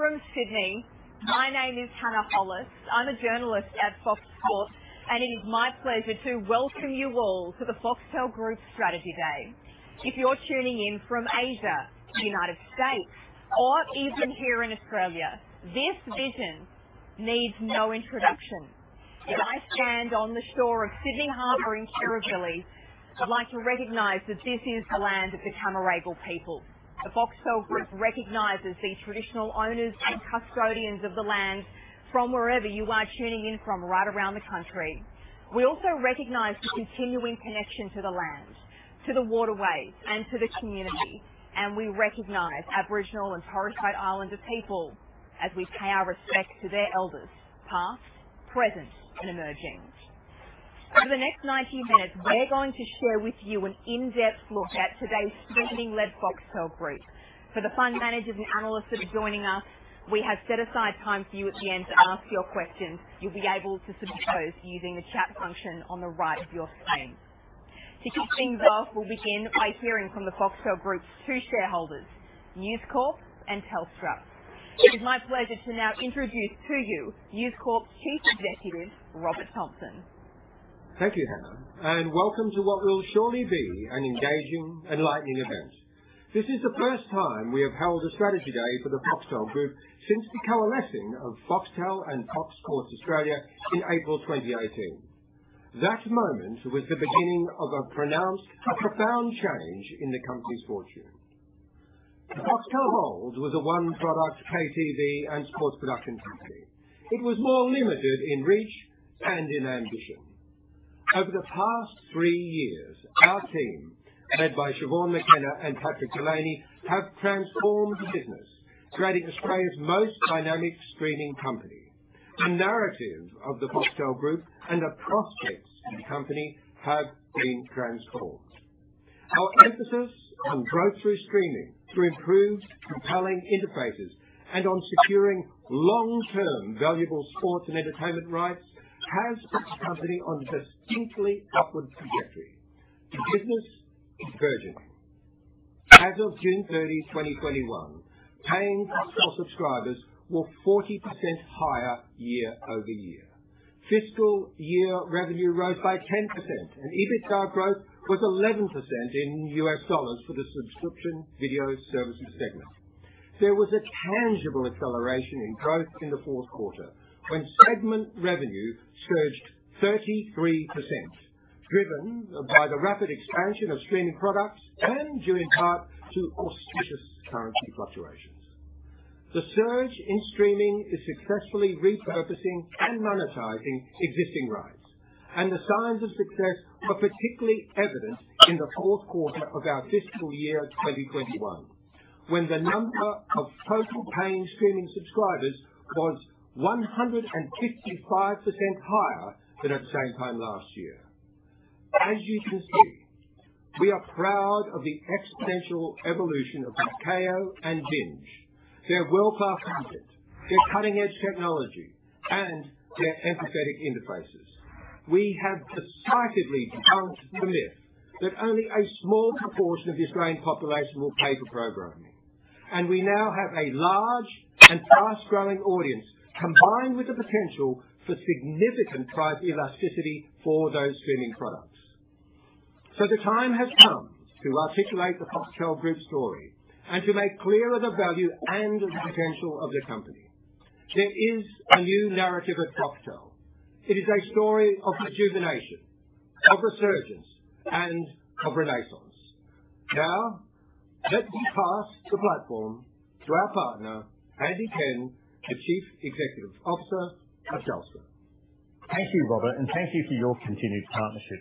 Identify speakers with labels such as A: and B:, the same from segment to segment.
A: Today from Sydney. My name is Hannah Hollis. I'm a journalist at Fox Sports. It is my pleasure to welcome you all to the Foxtel Group Strategy Day. If you're tuning in from Asia, the U.S., or even here in Australia, this vision needs no introduction. As I stand on the shore of Sydney Harbor in Kirribilli, I'd like to recognize that this is the land of the Cammeraygal people. The Foxtel Group recognizes the traditional owners and custodians of the land from wherever you are tuning in from right around the country. We also recognize the continuing connection to the land, to the waterways, and to the community. We recognize Aboriginal and Torres Strait Islander people as we pay our respects to their elders, past, present, and emerging. Over the next 90 minutes, we're going to share with you an in-depth look at today's streaming-led Foxtel Group. For the fund managers and analysts that are joining us, we have set aside time for you at the end to ask your questions. You'll be able to submit those using the chat function on the right of your screen. To kick things off, we'll begin by hearing from the Foxtel Group's two shareholders, News Corp and Telstra. It is my pleasure to now introduce to you News Corp's Chief Executive, Robert Thomson.
B: Thank you, Hannah. Welcome to what will surely be an engaging, enlightening event. This is the first time we have held a Strategy Day for the Foxtel Group since the coalescing of Foxtel and Fox Sports Australia in April 2018. That moment was the beginning of a pronounced, profound change in the company's fortune. Foxtel was a one-product pay TV and sports production company. It was more limited in reach and in ambition. Over the past three years, our team, led by Siobhan McKenna and Patrick Delany, have transformed the business, creating Australia's most dynamic streaming company. The narrative of the Foxtel Group and the prospects of the company have been transformed. Our emphasis on growth through streaming, through improved, compelling interfaces, and on securing long-term valuable sports and entertainment rights, has put the company on a distinctly upward trajectory. The business is surging. As of June 30, 2021, paying Foxtel subscribers were 40% higher year-over-year. Fiscal year revenue rose by 10%, and EBITDA growth was 11% in US dollars for the subscription video services segment. There was a tangible acceleration in growth in the fourth quarter when segment revenue surged 33%, driven by the rapid expansion of streaming products and due in part to auspicious currency fluctuations. The surge in streaming is successfully repurposing and monetizing existing rights, and the signs of success were particularly evident in the fourth quarter of our fiscal year 2021, when the number of total paying streaming subscribers was 155% higher than at the same time last year. As you can see, we are proud of the exponential evolution of Kayo and BINGE, their world-class content, their cutting-edge technology, and their empathetic interfaces. We have decidedly debunked the myth that only a small proportion of the Australian population will pay for programming, and we now have a large and fast-growing audience, combined with the potential for significant price elasticity for those streaming products. The time has come to articulate the Foxtel Group story and to make clearer the value and the potential of the company. There is a new narrative at Foxtel. It is a story of rejuvenation, of resurgence, and of renaissance. Now, let me pass the platform to our partner, Andy Penn, the Chief Executive Officer of Telstra.
C: Thank you, Robert. Thank you for your continued partnership.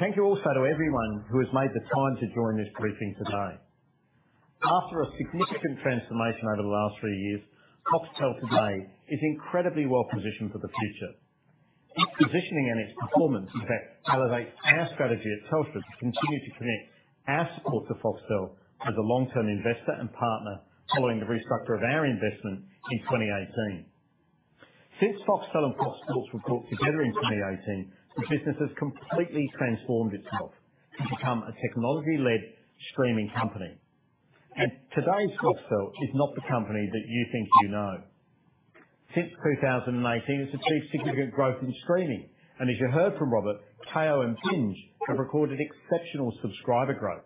C: Thank you also to everyone who has made the time to join this briefing today. After a significant transformation over the last three years, Foxtel today is incredibly well-positioned for the future. Its positioning and its performance elevate our strategy at Telstra to continue to commit our support to Foxtel as a long-term investor and partner following the restructure of our investment in 2018. Since Foxtel and Fox Sports were brought together in 2018, the business has completely transformed itself to become a technology-led streaming company. Today, Foxtel is not the company that you think you know. Since 2018, it's achieved significant growth in streaming, and as you heard from Robert, Kayo and BINGE have recorded exceptional subscriber growth.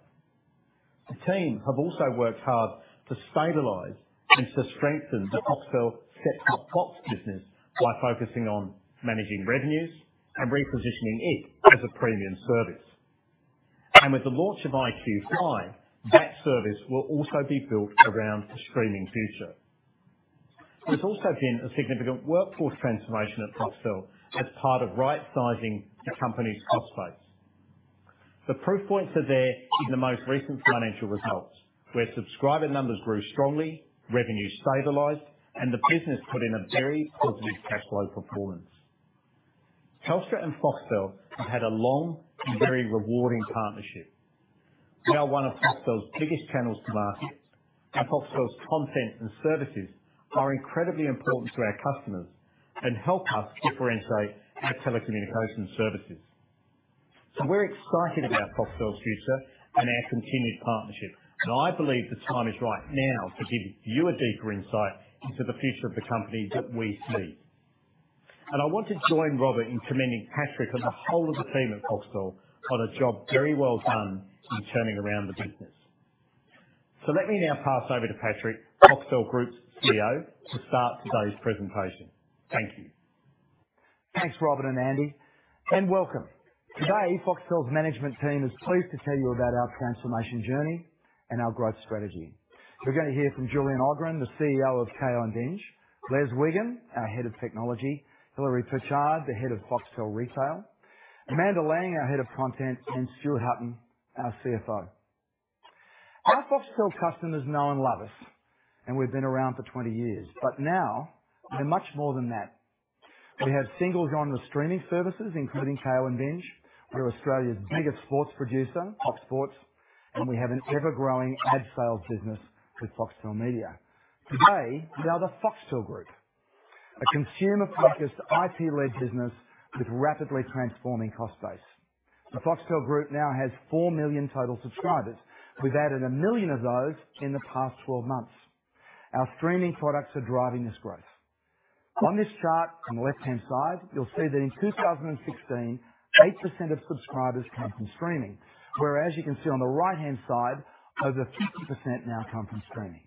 C: The team have also worked hard to stabilize and to strengthen the Foxtel set-top box business by focusing on managing revenues and repositioning it as a premium service. With the launch of iQ5, that service will also be built around the streaming future. There has also been a significant workforce transformation at Foxtel as part of right-sizing the company's cost base. The proof points are there in the most recent financial results, where subscriber numbers grew strongly, revenue stabilized, and the business put in a very positive cash flow performance. Telstra and Foxtel have had a long and very rewarding partnership. We are one of Foxtel's biggest channels to market, and Foxtel's content and services are incredibly important to our customers and help us differentiate our telecommunications services. We're excited about Foxtel's future and our continued partnership, and I believe the time is right now to give you a deeper insight into the future of the company that we see. I want to join Robert in commending Patrick and the whole of the team at Foxtel on a job very well done in turning around the business. Let me now pass over to Patrick, Foxtel Group's CEO, to start today's presentation. Thank you.
D: Thanks, Robert and Andy, and welcome. Today, Foxtel's management team is pleased to tell you about our transformation journey and our growth strategy. We're going to hear from Julian Ogrin, the CEO of Kayo and BINGE; Les Wigan, our Head of Technology; Hilary Perchard, the Head of Foxtel Retail; Amanda Laing, our Head of Content; and Stuart Hutton, our CFO. Our Foxtel customers know and love us. We've been around for 20 years, now we're much more than that. We have single-genre streaming services, including Kayo and BINGE. We're Australia's biggest sports producer, Fox Sports. We have an ever-growing ad sales business with Foxtel Media. Today, we are the Foxtel Group, a consumer-focused, IP-led business with rapidly transforming cost base. The Foxtel Group now has 4 million total subscribers. We've added 1 million of those in the past 12 months. Our streaming products are driving this growth. On this chart, on the left-hand side, you'll see that in 2016, 8% of subscribers came from streaming, whereas you can see on the right-hand side, over 50% now come from streaming.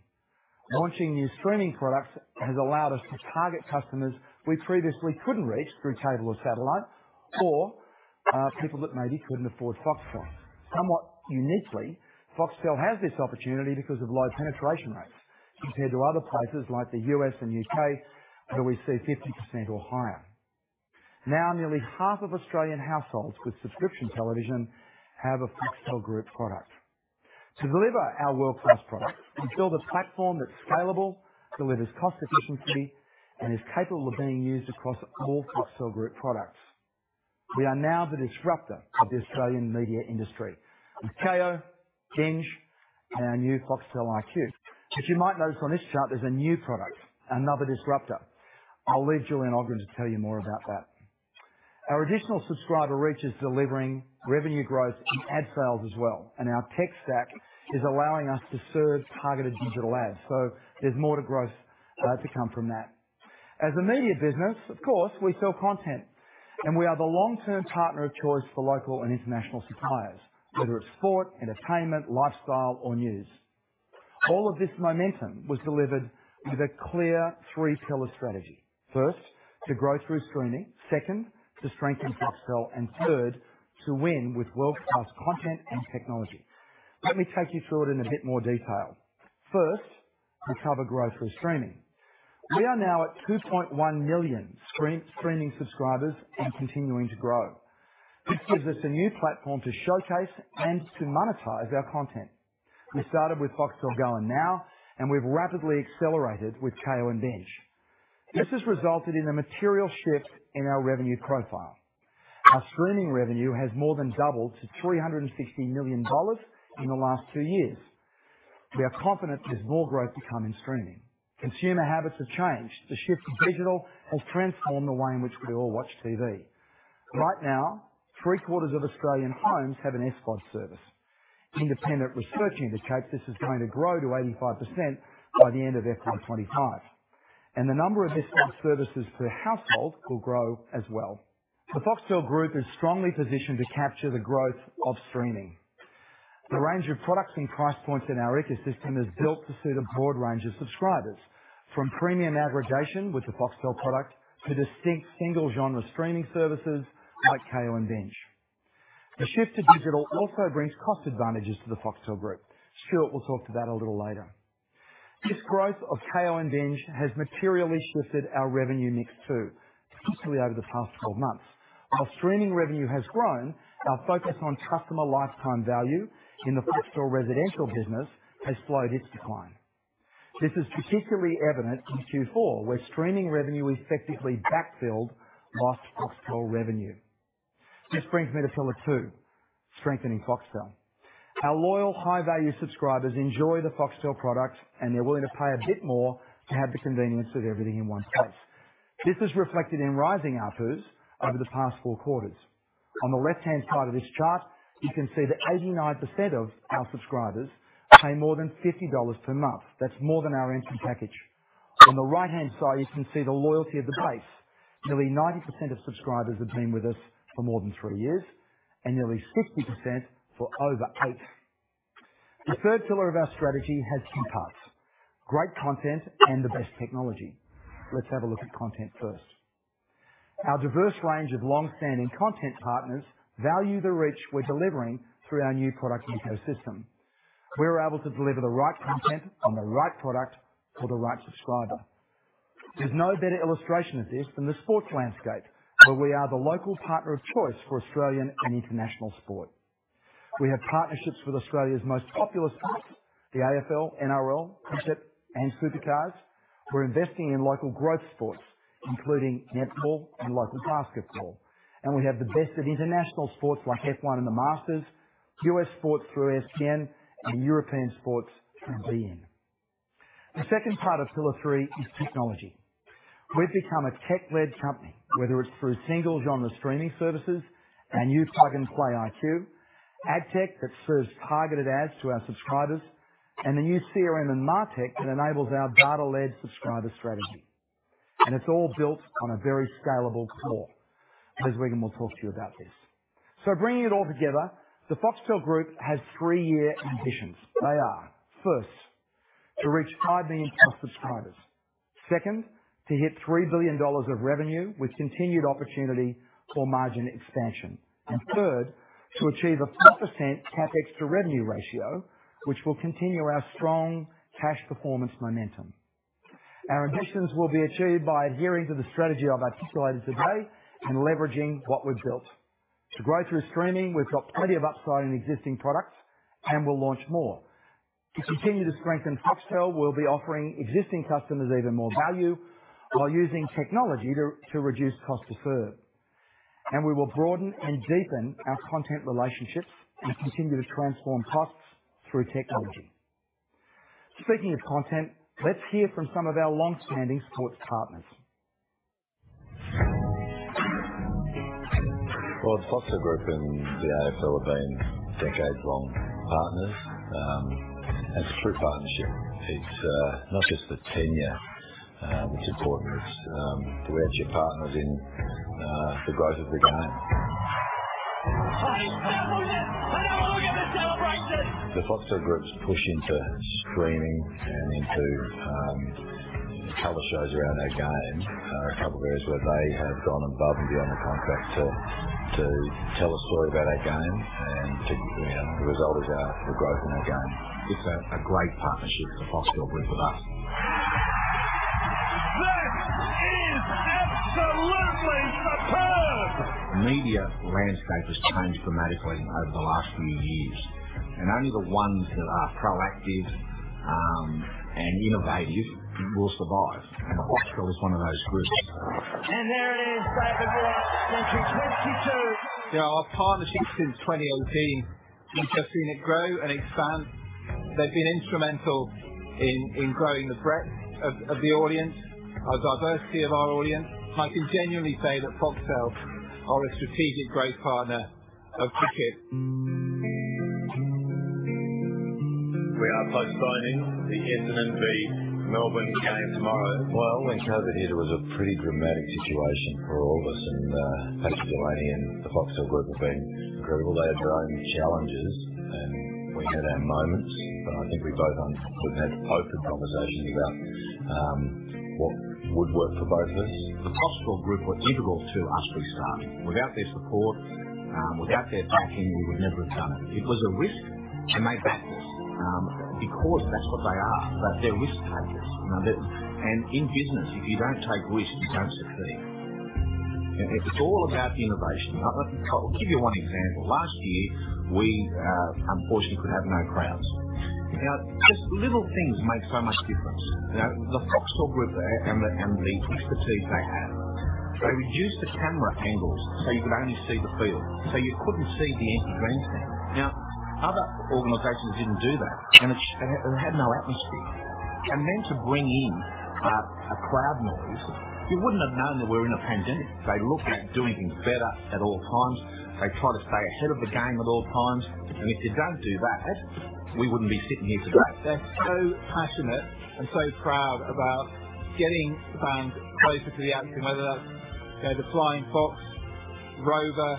D: Launching new streaming products has allowed us to target customers we previously couldn't reach through cable or satellite or, people that maybe couldn't afford Foxtel. Somewhat uniquely, Foxtel has this opportunity because of low penetration rates compared to other places like the U.S. and U.K., where we see 50% or higher. Nearly half of Australian households with subscription television have a Foxtel Group product. To deliver our world-class product, we build a platform that's scalable, delivers cost efficiency, and is capable of being used across all Foxtel Group products. We are now the disruptor of the Australian media industry with Kayo, BINGE, and our new Foxtel iQ. You might notice on this chart there's a new product, another disruptor. I'll leave Julian Ogrin to tell you more about that. Our additional subscriber reach is delivering revenue growth and ad sales as well, and our tech stack is allowing us to serve targeted digital ads. There's more to growth to come from that. As a media business, of course, we sell content, and we are the long-term partner of choice for local and international suppliers, whether it's sport, entertainment, lifestyle, or news. All of this momentum was delivered with a clear three-pillar strategy. First, to grow through streaming. Second, to strengthen Foxtel. Third, to win with world-class content and technology. Let me take you through it in a bit more detail. First, we cover growth through streaming. We are now at 2.1 million streaming subscribers and continuing to grow. This gives us a new platform to showcase and to monetize our content. We started with Foxtel Go and Now, we've rapidly accelerated with Kayo and BINGE. This has resulted in a material shift in our revenue profile. Our streaming revenue has more than doubled to 360 million dollars in the last 2 years. We are confident there's more growth to come in streaming. Consumer habits have changed. The shift to digital has transformed the way in which we all watch TV. Right now, three-quarters of Australian homes have an SVOD service. Independent research indicates this is going to grow to 85% by the end of FY 2025, the number of SVOD services per household will grow as well. The Foxtel Group is strongly positioned to capture the growth of streaming. The range of products and price points in our ecosystem is built to suit a broad range of subscribers, from premium aggregation with the Foxtel product to distinct single-genre streaming services like Kayo and BINGE. The shift to digital also brings cost advantages to the Foxtel Group. Stuart will talk to that a little later. This growth of Kayo and BINGE has materially shifted our revenue mix, too, especially over the past 12 months. Our streaming revenue has grown. Our focus on customer lifetime value in the Foxtel residential business has slowed its decline. This is particularly evident in Q4, where streaming revenue effectively backfilled lost Foxtel revenue. This brings me to pillar 2, strengthening Foxtel. Our loyal high-value subscribers enjoy the Foxtel product, and they're willing to pay a bit more to have the convenience of everything in one place. This is reflected in rising ARPU over the past four quarters. On the left-hand side of this chart, you can see that 89% of our subscribers pay more than 50 dollars per month. That's more than our entry package. On the right-hand side, you can see the loyalty of the base. Nearly 90% of subscribers have been with us for more than three years, and nearly 60% for over eight. The third pillar of our strategy has two parts, great content and the best technology. Let's have a look at content first. Our diverse range of longstanding content partners value the reach we're delivering through our new product ecosystem. We're able to deliver the right content on the right product for the right subscriber. There's no better illustration of this than the sports landscape, where we are the local partner of choice for Australian and international sport. We have partnerships with Australia's most popular sports, the AFL, NRL, Cricket, and Supercars. We're investing in local growth sports, including netball and local basketball, and we have the best of international sports like F1 and the Masters, U.S. sports through ESPN, and European sports through beIN. The second part of pillar 3 is technology. We've become a tech-led company, whether it's through single-genre streaming services, our new plug-and-play iQ5, ad tech that serves targeted ads to our subscribers, and the new CRM and MarTech that enables our data-led subscriber strategy. It's all built on a very scalable core. Les Wigan will talk to you about this. Bringing it all together, the Foxtel Group has 3-year ambitions. They are, first, to reach 5 million+ subscribers. Second, to hit 3 billion dollars of revenue with continued opportunity for margin expansion. Third, to achieve a 5% CapEx to revenue ratio, which will continue our strong cash performance momentum. Our ambitions will be achieved by adhering to the strategy I've articulated today and leveraging what we've built. To grow through streaming, we've got plenty of upside in existing products, and we'll launch more. To continue to strengthen Foxtel, we'll be offering existing customers even more value while using technology to reduce cost to serve. We will broaden and deepen our content relationships and continue to transform costs through technology. Speaking of content, let's hear from some of our longstanding sports partners.
E: The Foxtel Group and the AFL have been decades-long partners. It's a true partnership. It's not just the tenure that's important. It's we're actual partners in the growth of the game.
F: Oh, yes. Have a look at the celebrations.
E: The Foxtel Group's push into streaming and into color shows around our game are a couple of areas where they have gone above and beyond the contract to tell a story about our game and to, you know, the result is the growth in our game. It's a great partnership, the Foxtel Group, with us.
F: This is absolutely superb.
E: The media landscape has changed dramatically over the last few years, and only the ones that are proactive, and innovative will survive, and Foxtel is one of those groups.
G: There it is, David Warner. Century 22.
H: You know, our partnership since 2018, we've just seen it grow and expand. They've been instrumental in growing the breadth of the audience, of diversity of our audience. I can genuinely say that Foxtel are a strategic growth partner of cricket.
I: We are close to signing the England v Melbourne Storm tomorrow. When COVID hit, it was a pretty dramatic situation for all of us, and thanks to Delany and the Foxtel Group have been incredible. They had their own challenges, and we had our moments, but I think we both we've had open conversations about what would work for both of us. The Foxtel Group were integral to us restarting. Without their support, without their backing, we would never have done it. It was a risk, and they backed us, because that's what they are. They're risk-takers. You know, they're. In business, if you don't take risks, you don't succeed. It's all about innovation. I'll give you one example. Last year, we unfortunately, could have no crowds. You know, just little things make so much difference. You know, the Foxtel Group and the expertise they have, they reduced the camera angles, so you could only see the field, so you couldn't see the empty grandstand. Other organizations didn't do that, and it just, it had no atmosphere. Then to bring in a crowd noise, you wouldn't have known that we're in a pandemic. They look at doing things better at all times. They try to stay ahead of the game at all times. If they don't do that, we wouldn't be sitting here today. They're so passionate and so proud about getting the fans closer to the action, whether that's, you know, the Flying Fox, Rover.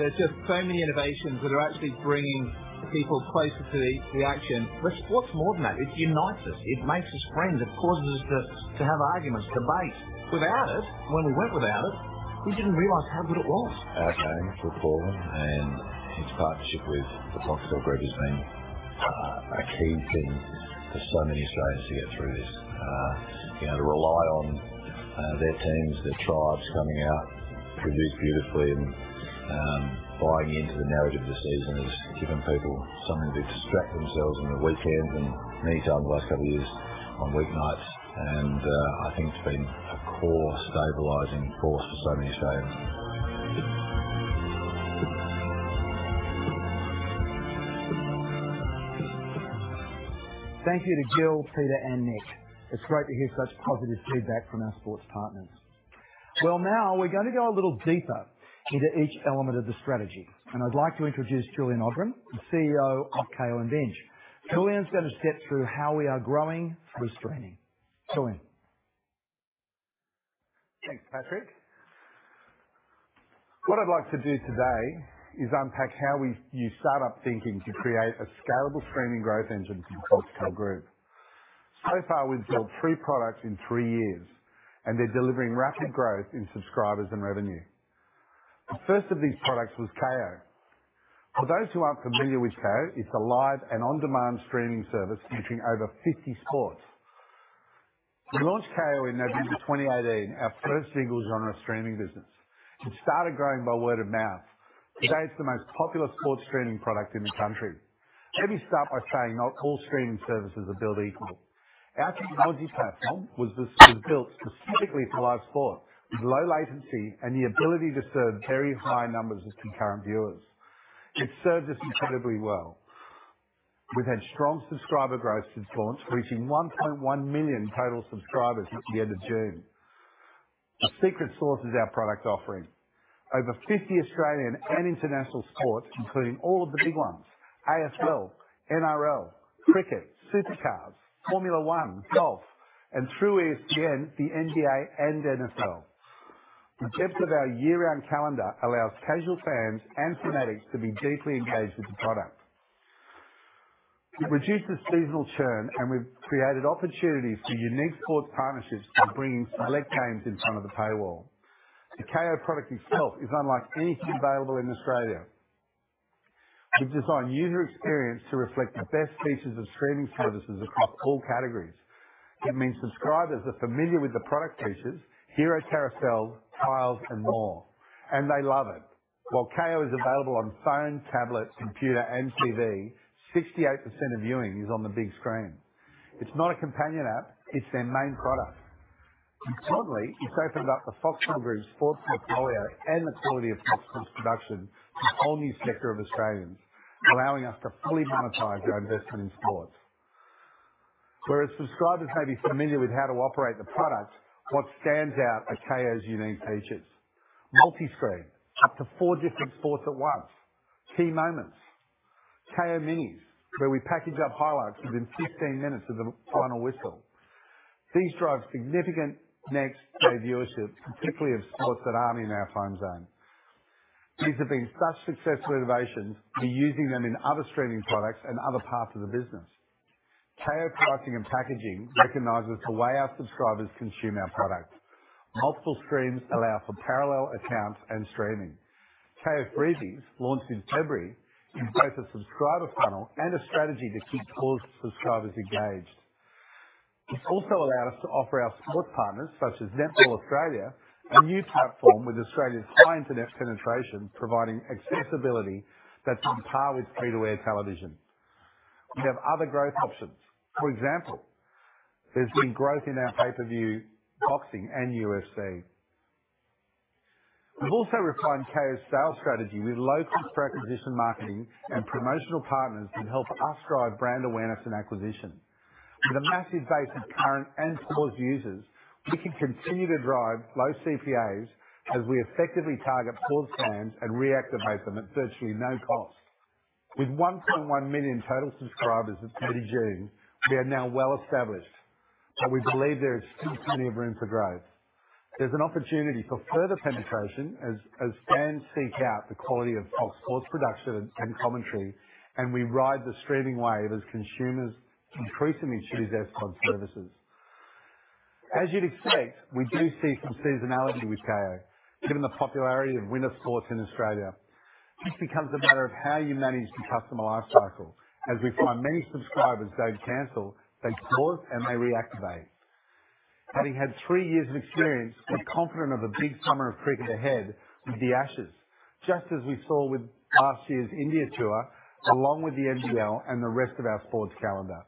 I: There's just so many innovations that are actually bringing people closer to the action, which, what's more than that? It unites us. It makes us friends. It causes us to have arguments, debate. Without it, when we went without it, we didn't realize how good it was.
J: Our game's performing, and its partnership with the Foxtel Group has been a key thing for so many Australians to get through this. You know, to rely on their teams, their tribes coming out, produced beautifully and buying into the narrative of the season has given people something to distract themselves on the weekends and many times in the last 2 years on weeknights. I think it's been a core stabilizing force for so many Australians.
D: Thank you to Gill, Peter, and Nick. It's great to hear such positive feedback from our sports partners. Now we're going to go a little deeper into each element of the strategy. I'd like to introduce Julian Ogrin, the CEO of Kayo and BINGE. Julian's going to step through how we are growing through streaming. Julian.
K: Thanks, Patrick. What I'd like to do today is unpack how we use startup thinking to create a scalable streaming growth engine for Foxtel Group. We've built three products in 3 years, and they're delivering rapid growth in subscribers and revenue. The first of these products was Kayo. For those who aren't familiar with Kayo, it's a live and on-demand streaming service featuring over 50 sports. We launched Kayo in November 2018, our first single-genre streaming business. It started growing by word of mouth. Today, it's the most popular sports streaming product in the country. Let me start by saying not all streaming services are built equal. Our technology platform was built specifically for live sports, with low latency and the ability to serve very high numbers of concurrent viewers. It serves us incredibly well. We've had strong subscriber growth since launch, reaching 1.1 million total subscribers at the end of June. Our secret sauce is our product offering. Over 50 Australian and international sports, including all of the big ones, AFL, NRL, cricket, Supercars, Formula 1, golf, and through ESPN, the NBA and NFL. The depth of our year-round calendar allows casual fans and fanatics to be deeply engaged with the product. It reduces seasonal churn. We've created opportunities for unique sports partnerships by bringing select games in front of the paywall. The Kayo product itself is unlike anything available in Australia. We've designed user experience to reflect the best features of streaming services across all categories. It means subscribers are familiar with the product features, hero carousels, tiles, and more. They love it. While Kayo is available on phone, tablet, computer, and TV, 68% of viewing is on the big screen. It's not a companion app, it's their main product. Secondly, it's opened up the Foxtel Group's sports portfolio and the quality of Foxtel's production to a whole new sector of Australians, allowing us to fully monetize our investment in sports. Whereas subscribers may be familiar with how to operate the product, what stands out are Kayo's unique features. Multi-screen, up to four different sports at once, key moments, Kayo Minis, where we package up highlights within 15 minutes of the final whistle. These drive significant next-day viewership, particularly of sports that aren't in our time zone. These have been such successful innovations, we're using them in other streaming products and other parts of the business. Kayo pricing and packaging recognizes the way our subscribers consume our product. Multiple screens allow for parallel accounts and streaming. Kayo Freebies, launched in February, is both a subscriber funnel and a strategy to keep paused subscribers engaged. It's also allowed us to offer our sports partners, such as Netball Australia, a new platform with Australia's high internet penetration, providing accessibility that's on par with free-to-air television. We have other growth options. For example, there's been growth in our pay-per-view boxing and UFC. We've also refined Kayo's sales strategy with low-cost acquisition marketing and promotional partners who help us drive brand awareness and acquisition. With a massive base of current and sports users, we can continue to drive low CPAs as we effectively target sports fans and reactivate them at virtually no cost. With 1.1 million total subscribers as of mid-June, we are now well-established, but we believe there is still plenty of room for growth. There's an opportunity for further penetration as fans seek out the quality of sports production and commentary, and we ride the streaming wave as consumers increasingly choose SVOD services. As you'd expect, we do see some seasonality with Kayo, given the popularity of winter sports in Australia. This becomes a matter of how you manage the customer life cycle, as we find many subscribers don't cancel, they pause and they reactivate. Having had 3 years of experience, we're confident of a big summer of cricket ahead with The Ashes, just as we saw with last year's India tour, along with the NRL and the rest of our sports calendar.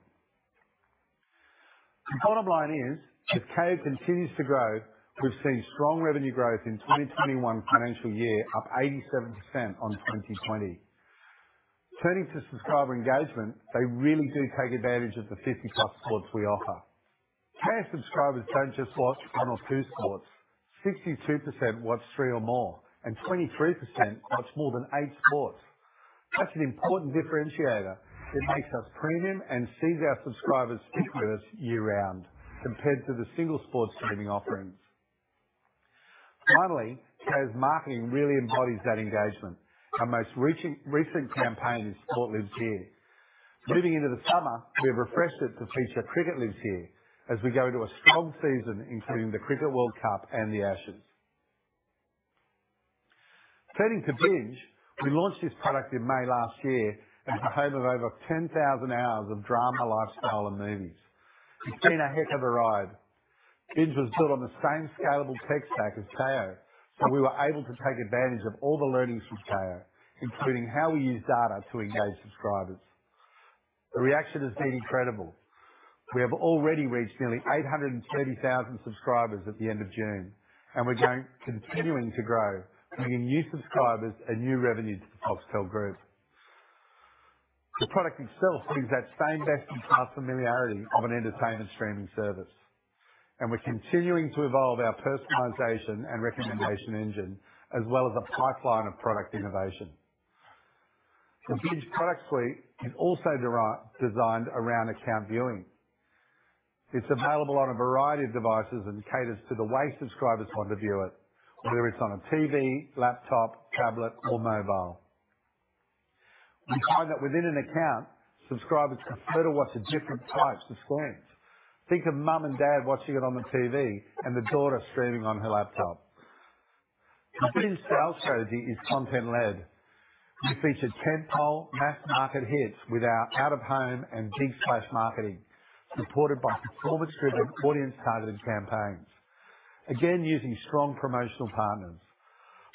K: The bottom line is, if Kayo continues to grow, we've seen strong revenue growth in 2021 financial year, up 87% on 2020. Turning to subscriber engagement, they really do take advantage of the 50+ sports we offer. Kayo subscribers don't just watch one or two sports. 62% watch three or more, and 23% watch more than eight sports. That's an important differentiator, it makes us premium and sees our subscribers stick with us year-round, compared to the single-sport streaming offerings. Finally, Kayo's marketing really embodies that engagement. Our most recent campaign is Sport Lives Here. Moving into the summer, we've refreshed it to feature Cricket Lives Here as we go to a strong season including the Cricket World Cup and The Ashes. Turning to BINGE, we launched this product in May last year, and it's the home of over 10,000 hours of drama, lifestyle, and movies. It's been a heck of a ride. BINGE was built on the same scalable tech stack as Kayo, so we were able to take advantage of all the learnings from Kayo, including how we use data to engage subscribers. The reaction has been incredible. We have already reached nearly 830,000 subscribers at the end of June, and we're continuing to grow, bringing new subscribers and new revenue to the Foxtel Group. The product itself brings that same best-in-class familiarity of an entertainment streaming service. We're continuing to evolve our personalization and recommendation engine, as well as a pipeline of product innovation. The BINGE product suite is also designed around account viewing. It's available on a variety of devices and caters to the way subscribers want to view it, whether it's on a TV, laptop, tablet, or mobile. We find that within an account, subscribers can further watch the different types of screens. Think of mom and dad watching it on the TV and the daughter streaming on her laptop. The BINGE sales strategy is content-led. We featured tent-pole mass-market hits with our out-of-home and big place marketing, supported by performance-driven, audience-targeted campaigns. Again, using strong promotional partners.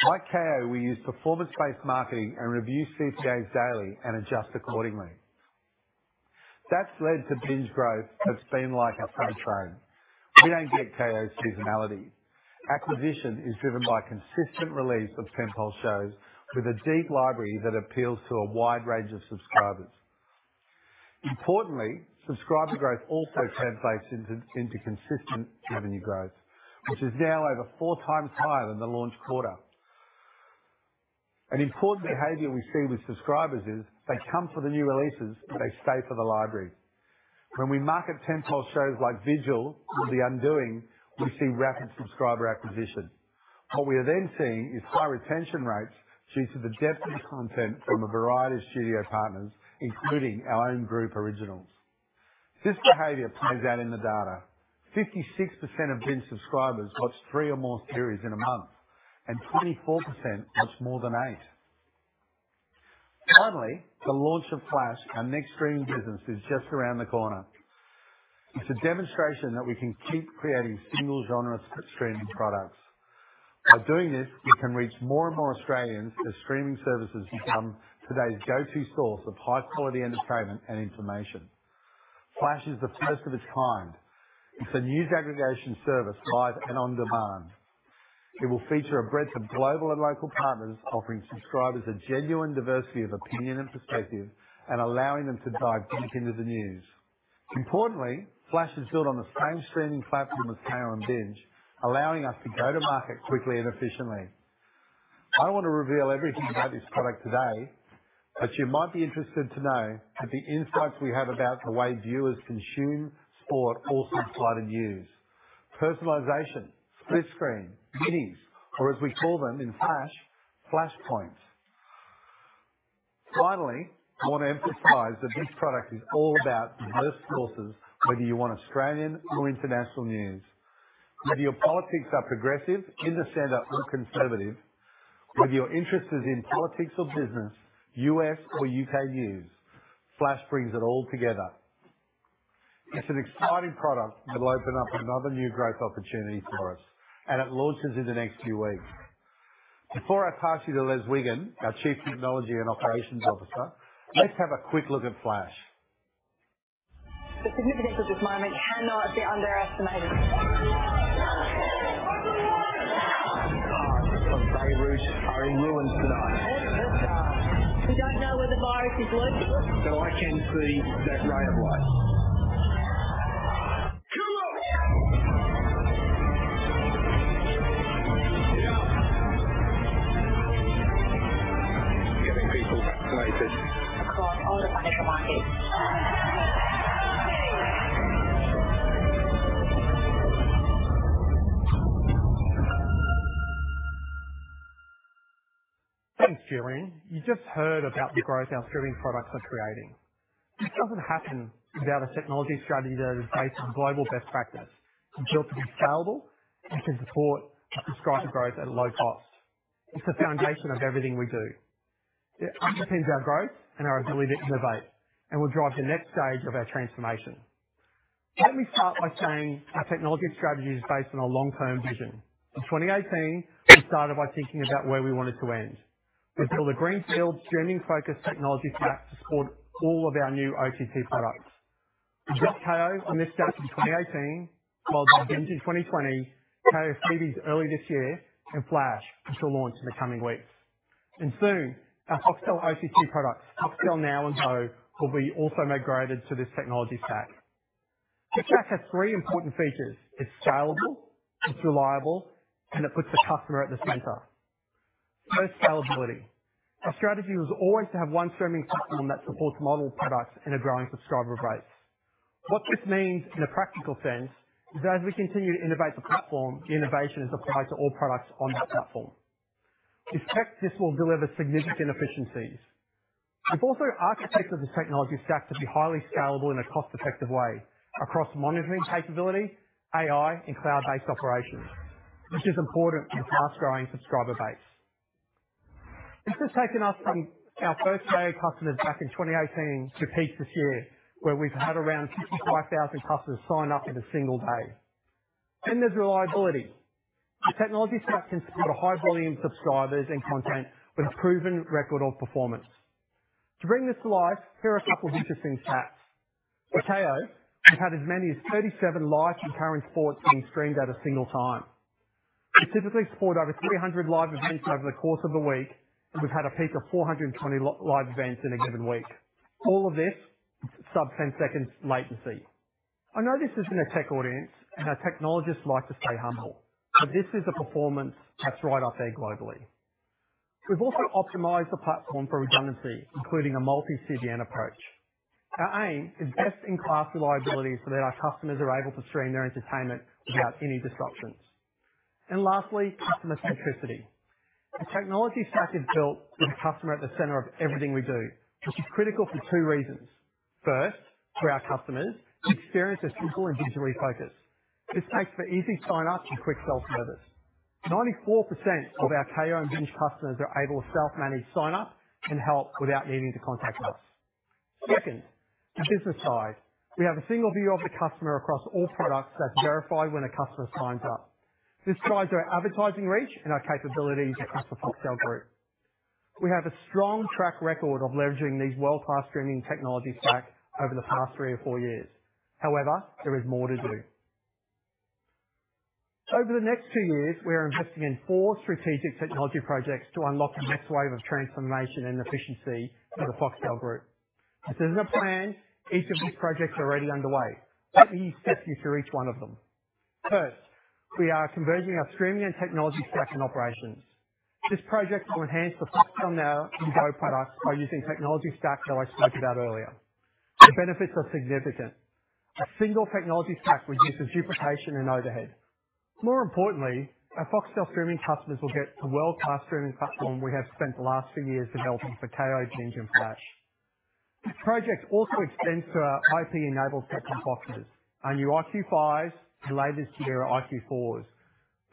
K: Like Kayo, we use performance-based marketing and review CPAs daily and adjust accordingly. That's led to BINGE growth that's been like a freight train. We don't get Kayo seasonality. Acquisition is driven by consistent release of tent-pole shows with a deep library that appeals to a wide range of subscribers. Importantly, subscriber growth also translates into consistent revenue growth, which is now over 4x higher than the launch quarter. An important behavior we see with subscribers is they come for the new releases, they stay for the library. When we market tent-pole shows like "Vigil" or "The Undoing," we see rapid subscriber acquisition. What we are then seeing is high retention rates due to the depth of content from a variety of studio partners, including our own group originals. This behavior plays out in the data. 56% of BINGE subscribers watch three or more series in a month, and 24% watch more than eight. Finally, the launch of Flash, our next streaming business, is just around the corner. It's a demonstration that we can keep creating single-genre streaming products. By doing this, we can reach more and more Australians as streaming services become today's go-to source of high-quality entertainment and information. Flash is the first of its kind. It's a news aggregation service, live and on-demand. It will feature a breadth of global and local partners offering subscribers a genuine diversity of opinion and perspective and allowing them to dive deep into the news. Importantly, Flash is built on the same streaming platform as Kayo and BINGE, allowing us to go to market quickly and efficiently. I don't want to reveal everything about this product today, but you might be interested to know that the insights we have about the way viewers consume sport also apply to news. Personalization, split screen, minis, or as we call them in Flash, FlashPoints. Finally, I want to emphasize that this product is all about diverse sources, whether you want Australian or international news. Whether your politics are progressive, in the center, or conservative, whether your interest is in politics or business, U.S. or U.K. news, Flash brings it all together. It's an exciting product that'll open up another new growth opportunity for us, and it launches in the next few weeks. Before I pass you to Les Wigan, our Chief Technology and Operations Officer, let's have a quick look at Flash.
L: The significance of this moment cannot be underestimated. Thousands of cars of Beirut are in ruins tonight. All of this gone. We don't know where the virus is lurking. I can see that ray of light. Getting people vaccinated. Across all of our supermarkets.
M: Thanks, Julian. You just heard about the growth our streaming products are creating. This doesn't happen without a technology strategy that is based on global best practice. It's built to be scalable and can support subscriber growth at low cost. It's the foundation of everything we do. It underpins our growth and our ability to innovate, and will drive the next stage of our transformation. Let me start by saying our technology strategy is based on a long-term vision. In 2018, we started by thinking about where we wanted to end. We built a greenfield streaming-focused technology stack to support all of our new OTT products. We built Kayo on this stack in 2018, followed by BINGE in 2020, Kayo Freebies early this year, and Flash, which will launch in the coming weeks. Soon, our Foxtel OTT products, Foxtel Now and Go, will be also migrated to this technology stack. The stack has three important features: it's scalable, it's reliable, and it puts the customer at the center. First, scalability. Our strategy was always to have one streaming platform that supports multiple products and a growing subscriber base. What this means in a practical sense is that as we continue to innovate the platform, the innovation is applied to all products on that platform. We've checked this will deliver significant efficiencies. We've also architected this technology stack to be highly scalable in a cost-effective way across monitoring capabilities, AI, and cloud-based operations, which is important for a fast-growing subscriber base. This has taken us from our first day of customers back in 2018 to peak this year, where we've had around 65,000 customers sign up in a single day. There's reliability. The technology stack can support a high volume of subscribers and content with a proven record of performance. To bring this to life, here are a couple of interesting stats. For Kayo, we've had as many as 37 live and current sports being streamed at a single time. We typically support over 300 live events over the course of a week, and we've had a peak of 420 live events in a given week. All of this, sub-10-second latency. I know this isn't a tech audience, and our technologists like to stay humble, but this is a performance that's right up there globally. We've also optimized the platform for redundancy, including a multi-CDN approach. Our aim is best-in-class reliability so that our customers are able to stream their entertainment without any disruptions. Lastly, customer centricity. The technology stack is built with the customer at the center of everything we do, which is critical for two reasons. First, for our customers, the experience is simple and visually focused. This makes for easy sign-up and quick self-service. 94% of our Kayo and BINGE customers are able to self-manage sign-up and help without needing to contact us. Second, the business side. We have a single view of the customer across all products that's verified when a customer signs up. This drives our advertising reach and our capabilities across the Foxtel Group. We have a strong track record of leveraging these world-class streaming technology stacks over the past 3 or 4 years. However, there is more to do. Over the next 2 years, we are investing in four strategic technology projects to unlock the next wave of transformation and efficiency for the Foxtel Group. This is a plan. Each of these projects are already underway. Let me step you through each one of them. First, we are converging our streaming and technology stack and operations. This project will enhance the Foxtel Now and Go products by using technology stacks that I spoke about earlier. The benefits are significant. A single technology stack reduces duplication and overhead. More importantly, our Foxtel streaming customers will get the world-class streaming platform we have spent the last two years developing for Kayo, BINGE, and Flash. This project also extends to our IP-enabled set-top boxes. Our new iQ5s and latest generation iQ4s,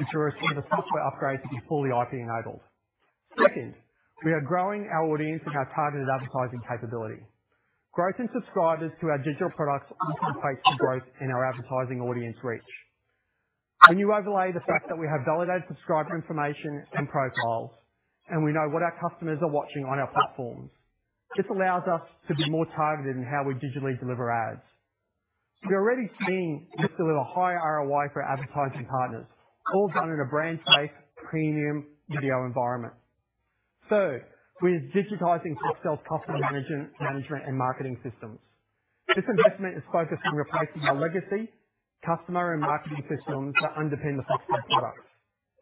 M: which are receiving a software upgrade to be fully IP-enabled. Second, we are growing our audience and our targeted advertising capability. Growth in subscribers to our digital products translates to growth in our advertising audience reach. When you overlay the fact that we have validated subscriber information and profiles, and we know what our customers are watching on our platforms, this allows us to be more targeted in how we digitally deliver ads. We're already seeing this deliver high ROI for advertising partners, all done in a brand safe, premium video environment. Third, we're digitizing Foxtel's customer management and marketing systems. This investment is focused on replacing our legacy customer and marketing systems that underpin the Foxtel products.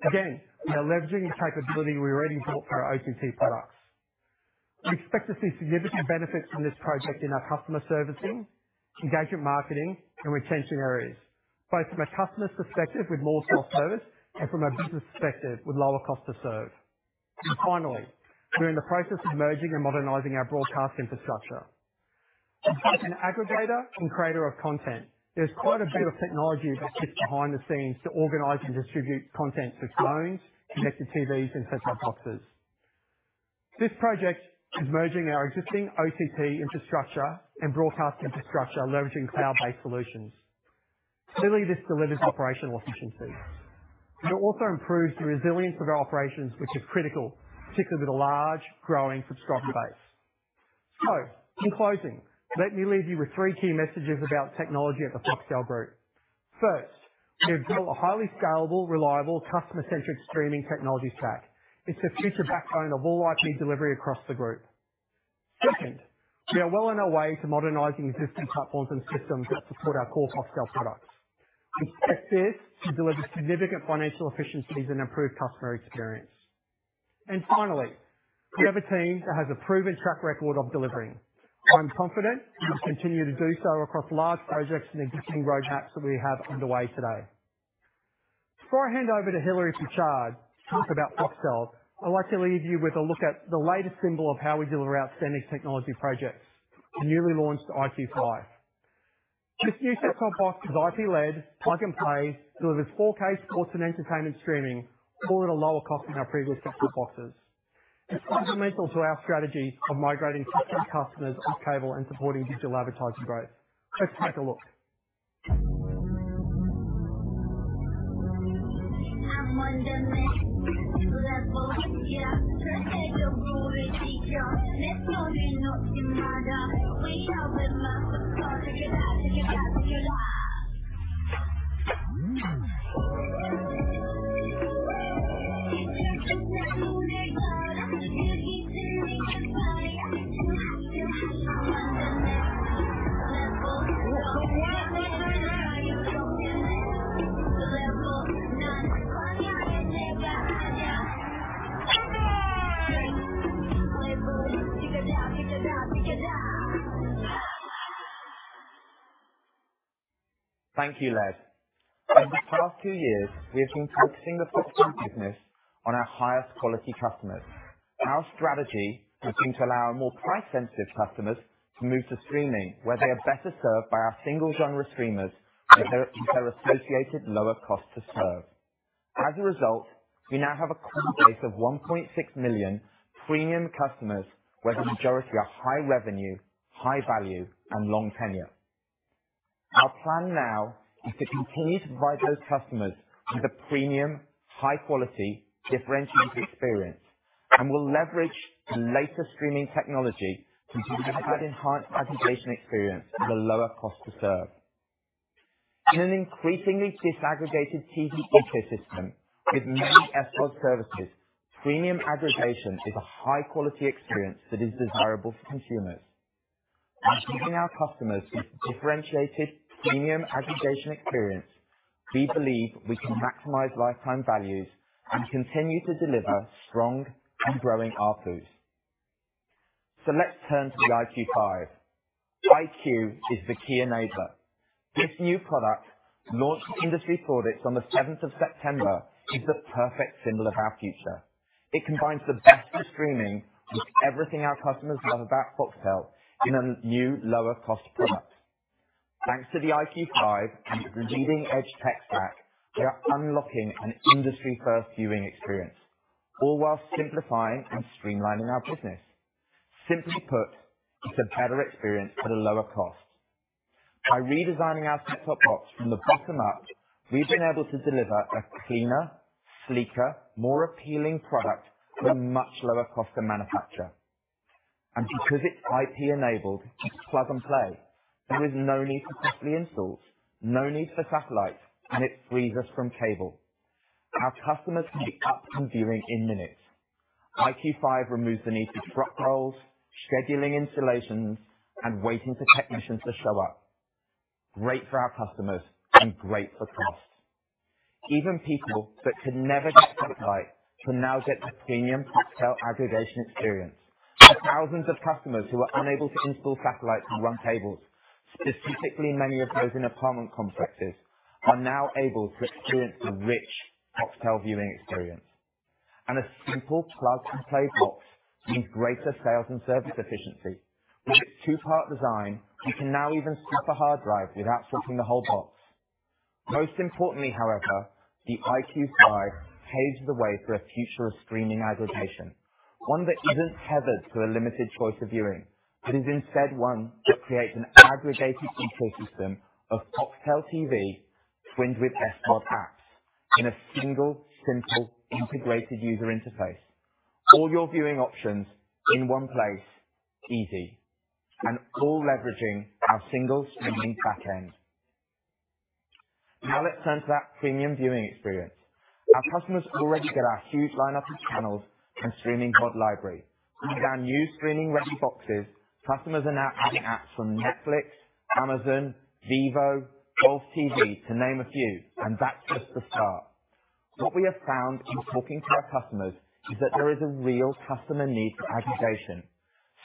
M: Again, we are leveraging the capability we already built for our OTT products. We expect to see significant benefits from this project in our customer servicing, engagement marketing, and retention areas, both from a customer perspective with more self-service and from a business perspective with lower cost to serve. Finally, we're in the process of merging and modernizing our broadcast infrastructure. As both an aggregator and creator of content, there's quite a bit of technology that sits behind the scenes to organize and distribute content to phones, connected TVs, and set-top boxes. This project is merging our existing OTT infrastructure and broadcast infrastructure, leveraging cloud-based solutions. Clearly, this delivers operational efficiencies. It also improves the resilience of our operations, which is critical, particularly with a large growing subscriber base. In closing, let me leave you with three key messages about technology at the Foxtel Group. First, we have built a highly scalable, reliable, customer-centric streaming technology stack. It's the future backbone of all IP delivery across the group. Second, we are well on our way to modernizing existing platforms and systems that support our core Foxtel products. We expect this to deliver significant financial efficiencies and improved customer experience. Finally, we have a team that has a proven track record of delivering. I'm confident we will continue to do so across large projects and existing roadmaps that we have underway today. Before I hand over to Hilary Perchard, to talk about Foxtel, I'd like to leave you with a look at the latest symbol of how we deliver outstanding technology projects, the newly launched iQ5. This new set-top box is IP-led, plug-and-play, delivers 4K sports and entertainment streaming, all at a lower cost than our previous set-top boxes. It's fundamental to our strategy of migrating Foxtel customers off cable and supporting digital advertising growth. Let's take a look.
N: Thank you, Les. Over the past few years, we have been focusing the Foxtel business on our highest quality customers. Our strategy has been to allow our more price-sensitive customers to move to streaming, where they are better served by our single-genre streamers and their associated lower cost to serve. As a result, we now have a core base of 1.6 million premium customers, where the majority are high revenue, high value, and long tenure. Our plan now is to continue to provide those customers with a premium, high quality, differentiated experience, and we'll leverage the latest streaming technology to deliver that enhanced aggregation experience at a lower cost to serve. In an increasingly disaggregated TV ecosystem with many SVOD services, premium aggregation is a high-quality experience that is desirable for consumers. By keeping our customers with a differentiated premium aggregation experience, we believe we can maximize lifetime values and continue to deliver strong and growing ARPUs. Let's turn to the iQ5. iQ is the key enabler. This new product, launched to industry products on the seventh of September, is the perfect symbol of our future. It combines the best of streaming with everything our customers love about Foxtel in a new lower cost product. Thanks to the iQ5 and its leading-edge tech stack, we are unlocking an industry-first viewing experience, all while simplifying and streamlining our business. Simply put, it's a better experience at a lower cost. By redesigning our set-top box from the bottom up, we've been able to deliver a cleaner, sleeker, more appealing product for a much lower cost to manufacture. Because it's IP enabled, it's plug-and-play. There is no need for costly installs, no need for satellites, and it frees us from cable. Our customers can be up and viewing in minutes. iQ5 removes the need for truck rolls, scheduling installations, and waiting for technicians to show up. Great for our customers and great for costs. Even people that could never get satellite can now get the premium Foxtel aggregation experience. The thousands of customers who are unable to install satellites and run cables, specifically many of those in apartment complexes, are now able to experience the rich Foxtel viewing experience. A simple plug-and-play box means greater sales and service efficiency. With its two-part design, you can now even swap a hard drive without swapping the whole box. Most importantly, however, the iQ5 paves the way for a future of streaming aggregation, one that isn't tethered to a limited choice of viewing. It is instead one that creates an aggregated ecosystem of Foxtel TV twinned with best-of-class apps in a single, simple, integrated user interface. All your viewing options in one place. Easy. All leveraging our single streaming backend. Now let's turn to that premium viewing experience. Our customers already get our huge lineup of channels and streaming VOD library. With our new streaming-ready boxes, customers are now adding apps from Netflix, Amazon, Vevo, Golf TV, to name a few, and that's just the start. What we have found in talking to our customers is that there is a real customer need for aggregation.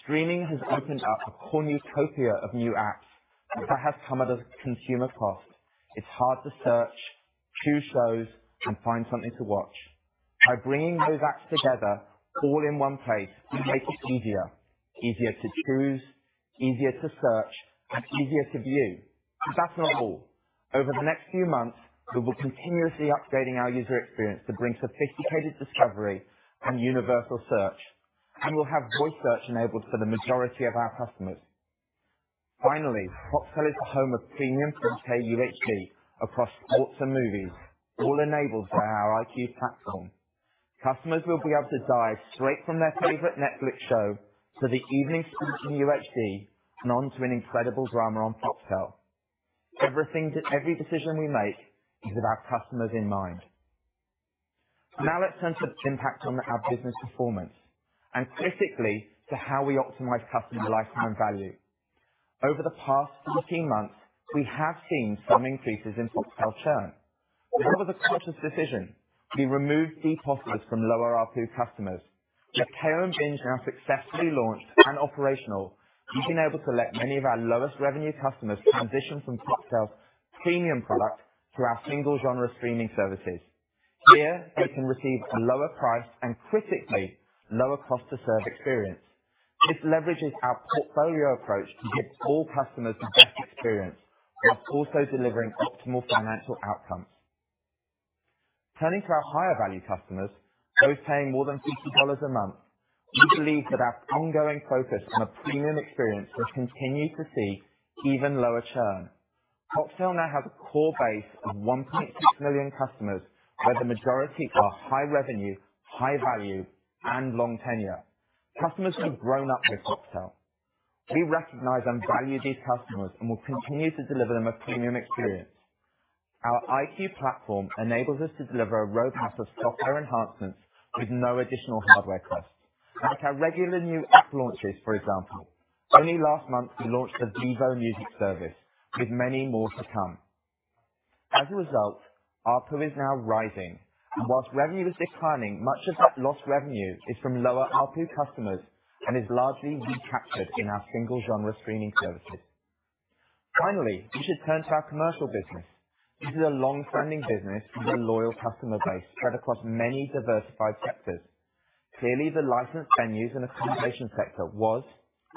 N: Streaming has opened up a cornucopia of new apps, and that has come at a consumer cost. It's hard to search, choose shows, and find something to watch. By bringing those apps together all in one place, we make it easier. Easier to choose, easier to search, and easier to view. That's not all. Over the next few months, we will continuously be updating our user experience to bring sophisticated discovery and universal search, and we'll have voice search enabled for the majority of our customers. Foxtel is the home of premium 4K UHD across sports and movies, all enabled by our iQ platform. Customers will be able to dive straight from their favorite Netflix show to the evening sports in UHD and onto an incredible drama on Foxtel. Every decision we make is with our customers in mind. Let's turn to the impact on our business performance, and critically, to how we optimize customer lifetime value. Over the past 15 months, we have seen some increases in Foxtel churn. This was a conscious decision. We removed deep offers from lower-ARPU customers. With Kayo and BINGE now successfully launched and operational, we've been able to let many of our lowest revenue customers transition from Foxtel's premium product to our single-genre streaming services. Here, they can receive a lower price and, critically, lower cost to serve experience. This leverages our portfolio approach to give all customers the best experience, while also delivering optimal financial outcomes. Turning to our higher-value customers, those paying more than 50 dollars a month. We believe that our ongoing focus on a premium experience will continue to see even lower churn. Foxtel now has a core base of 1.6 million customers, where the majority are high-revenue, high-value, and long tenure. Customers who've grown up with Foxtel. We recognize and value these customers and will continue to deliver them a premium experience. Our iQ platform enables us to deliver a roadmap of software enhancements with no additional hardware cost. Like our regular new app launches, for example. Only last month, we launched the Vevo music service, with many more to come. As a result, ARPU is now rising, and while revenue is declining, much of that lost revenue is from lower-ARPU customers and is largely recaptured in our single-genre streaming services. Finally, we should turn to our commercial business. This is a long-standing business with a loyal customer base spread across many diversified sectors. Clearly, the licensed venues and accommodation sector was,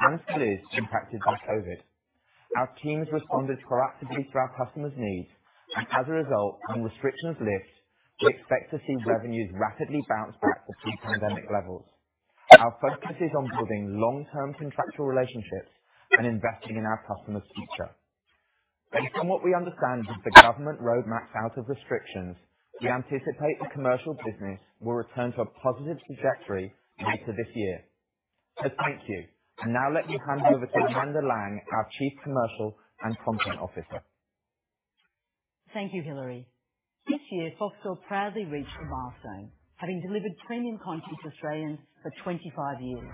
N: and still is, impacted by COVID. Our teams responded proactively to our customers' needs, and as a result, when restrictions lift, we expect to see revenues rapidly bounce back to pre-pandemic levels. Our focus is on building long-term contractual relationships and investing in our customers' future. Based on what we understand of the government roadmap out of restrictions, we anticipate the commercial business will return to a positive trajectory later this year. Thank you, and now let me hand you over to Amanda Laing, our Chief Commercial and Content Officer.
O: Thank you, Hilary. This year, Foxtel proudly reached a milestone, having delivered premium content to Australians for 25 years.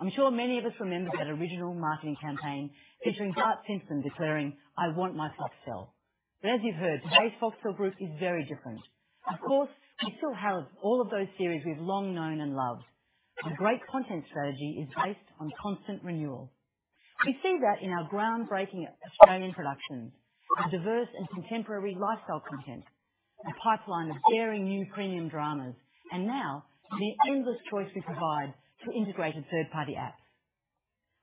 O: I'm sure many of us remember that original marketing campaign featuring Bart Simpson declaring, "I want my Foxtel." As you've heard, today's Foxtel Group is very different. Of course, we still have all of those series we've long known and loved, and great content strategy is based on constant renewal. We see that in our groundbreaking Australian productions, our diverse and contemporary lifestyle content, our pipeline of daring new premium dramas, and now the endless choice we provide through integrated third-party apps.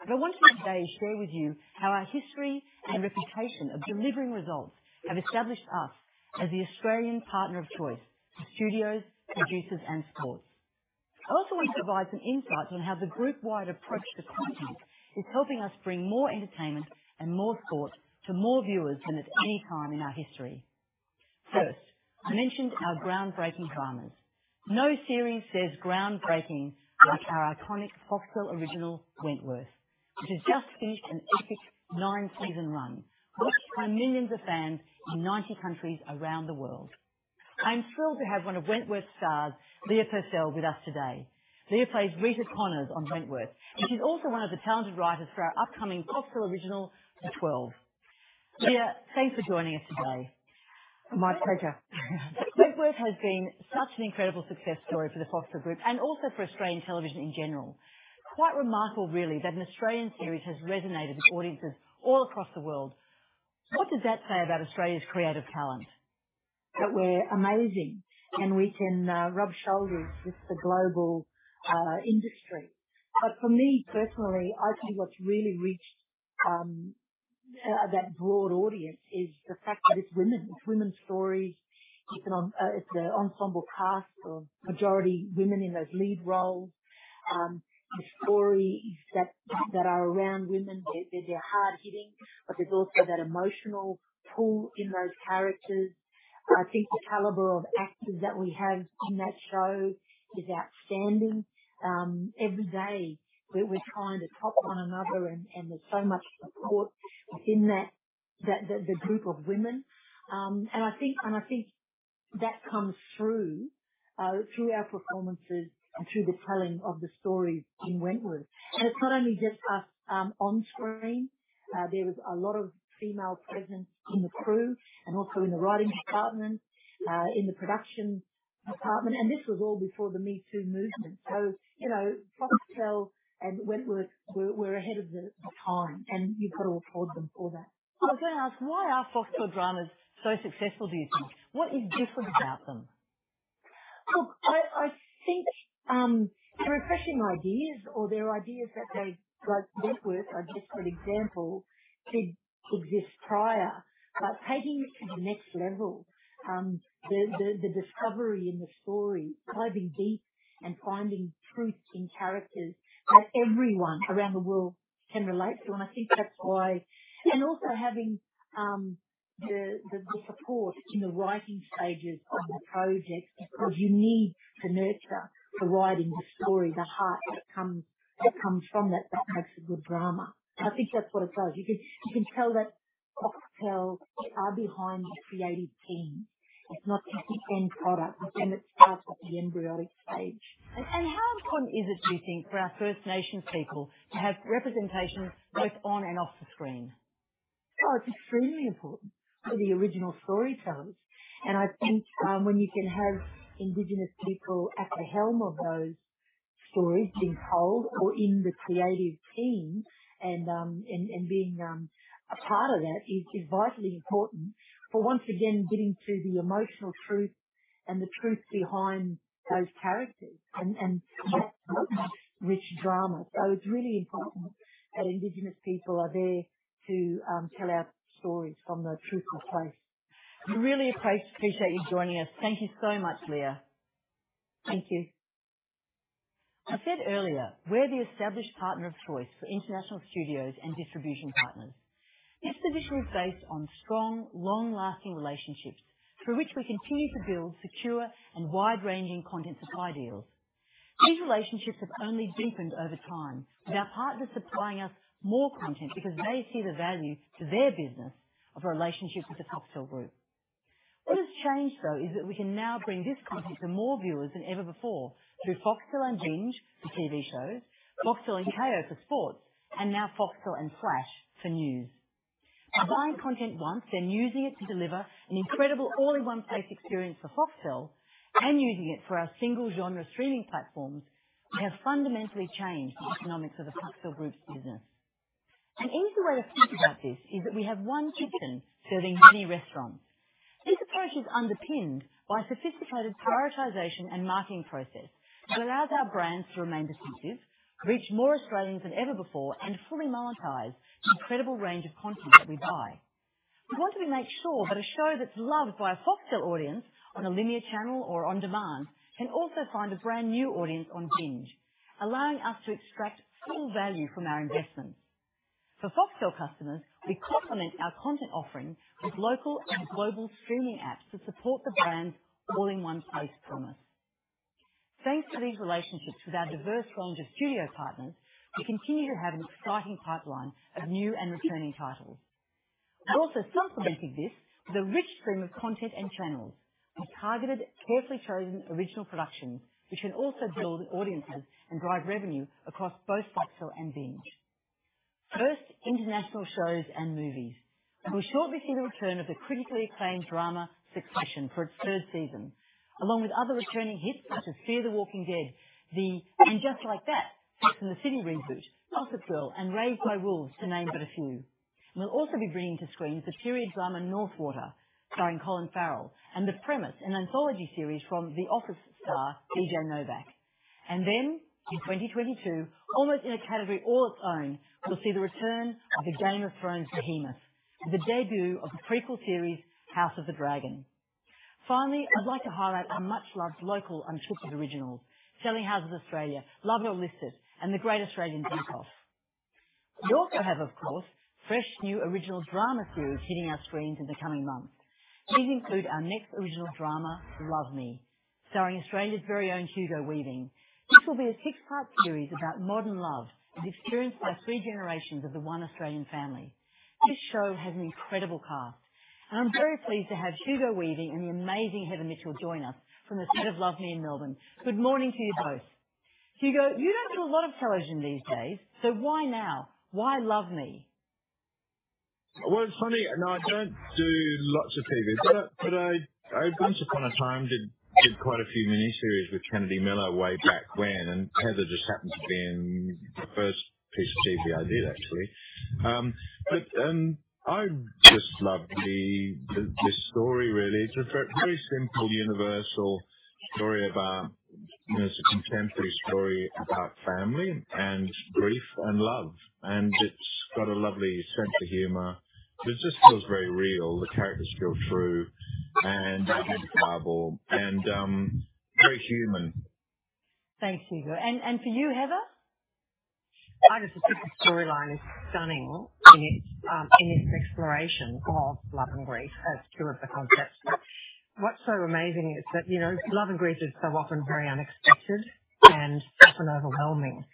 O: I want to today share with you how our history and reputation of delivering results have established us as the Australian partner of choice for studios, producers, and sports. I also want to provide some insight on how the group-wide approach to content is helping us bring more entertainment and more sport to more viewers than at any time in our history. First, I mentioned our groundbreaking dramas. No series says groundbreaking like our iconic Foxtel Original, "Wentworth," which has just finished an epic nine-season run, watched by millions of fans in 90 countries around the world. I am thrilled to have one of "Wentworth's" stars, Leah Purcell, with us today. Leah plays Rita Connors on "Wentworth," and she's also one of the talented writers for our upcoming Foxtel Original, "The Twelve." Leah, thanks for joining us today.
P: My pleasure.
O: Wentworth" has been such an incredible success story for the Foxtel Group and also for Australian television in general. Quite remarkable, really, that an Australian series has resonated with audiences all across the world. What does that say about Australia's creative talent?
P: That we're amazing, and we can rub shoulders with the global industry. For me, personally, I think what's really reached that broad audience is the fact that it's women. It's women's stories. It's an ensemble cast of majority women in those lead roles. The stories that are around women, they're hard-hitting, but there's also that emotional pull in those characters. I think the caliber of actors that we have on that show is outstanding. Every day, we're trying to top one another, and there's so much support within the group of women. I think that comes through our performances and through the telling of the stories in "Wentworth." It's not only just us on screen. There is a lot of female presence in the crew and also in the writing department, in the production department, and this was all before the MeToo movement. Foxtel and "Wentworth" were ahead of the time, and you've got to applaud them for that.
O: I was going to ask, why are Foxtel dramas so successful, do you think? What is different about them?
P: Look, I think they're refreshing ideas or they're ideas that they like "Wentworth", a good example, did exist prior. Taking it to the next level, the discovery in the story, probing deep and finding truth in characters that everyone around the world can relate to, I think that's why. Also having the support in the writing stages of the project, because you need to nurture the writing, the story, the heart that comes from that makes a good drama. I think that's what it does. You can tell that Foxtel are behind the creative team. It's not just the end product, but from the start at the embryonic stage.
O: How important is it, do you think, for our First Nations people to have representation both on and off the screen?
P: Oh, it's extremely important. We're the original storytellers. I think when you can have indigenous people at the helm of those stories being told or in the creative team and being a part of that, is vitally important for, once again, getting to the emotional truth and the truth behind those characters, and that's what makes rich drama. It's really important that indigenous people are there to tell our stories from a truthful place.
O: We really appreciate you joining us. Thank you so much, Leah.
P: Thank you.
O: I said earlier, we're the established partner of choice for international studios and distribution partners. This position is based on strong, long-lasting relationships through which we continue to build secure and wide-ranging content supply deals. These relationships have only deepened over time, with our partners supplying us more content because they see the value to their business of a relationship with the Foxtel Group. What has changed, though, is that we can now bring this content to more viewers than ever before through Foxtel and BINGE for TV shows, Foxtel and Kayo for sports, and now Foxtel and Flash for news. By buying content once, then using it to deliver an incredible all-in-one place experience for Foxtel and using it for our single-genre streaming platforms, we have fundamentally changed the economics of the Foxtel Group's business. An easy way to think about this is that we have one kitchen serving many restaurants. This approach is underpinned by a sophisticated prioritization and marketing process that allows our brands to remain distinctive, reach more Australians than ever before, and fully monetize the incredible range of content that we buy. We want to make sure that a show that's loved by a Foxtel audience on a linear channel or on demand can also find a brand-new audience on BINGE, allowing us to extract full value from our investments. For Foxtel customers, we complement our content offerings with local and global streaming apps that support the brand's all-in-one place promise. Thanks to these relationships with our diverse range of studio partners, we continue to have an exciting pipeline of new and returning titles. We're also supplementing this with a rich stream of content and channels and targeted, carefully chosen original productions, which can also build audiences and drive revenue across both Foxtel and BINGE. First, international shows and movies. We'll shortly see the return of the critically acclaimed drama "Succession" for its third season, along with other returning hits such as "Fear the Walking Dead," the "And Just Like That..." from the "Sex and the City" reboot, "Ozark," "Will," and "Raised by Wolves," to name but a few. We'll also be bringing to screens the period drama "The North Water" starring Colin Farrell, and "The Premise," an anthology series from "The Office" star B.J. Novak. In 2022, almost in a category all its own, we'll see the return of the "Game of Thrones" behemoth. The debut of the prequel series, "House of the Dragon. Finally, I'd like to highlight our much-loved local and scripted originals, Selling Houses Australia, Love It or List It, and The Great Australian Bake Off. We also have, of course, fresh new original drama series hitting our screens in the coming months. These include our next original drama, Love Me, starring Australia's very own Hugo Weaving. This will be a six-part series about modern love, as experienced by three generations of the one Australian family. This show has an incredible cast, and I'm very pleased to have Hugo Weaving and the amazing Heather Mitchell join us from the set of Love Me in Melbourne. Good morning to you both. Hugo, you don't do a lot of television these days, so why now? Why Love Me?
Q: Well, it's funny. No, I don't do lots of TV, but I, once upon a time, did quite a few mini-series with Kennedy Miller way back when, and Heather just happened to be in the first piece of TV I did, actually. I just loved the, this story, really. It's a very simple, universal story. It's a contemporary story about family and grief and love, and it's got a lovely sense of humor. It just feels very real. The characters feel true and likable and very human.
O: Thanks, Hugo. For you, Heather?
R: I just think the storyline is stunning in its exploration of love and grief as two of the concepts. What's so amazing is that love and grief is so often very unexpected and often overwhelming.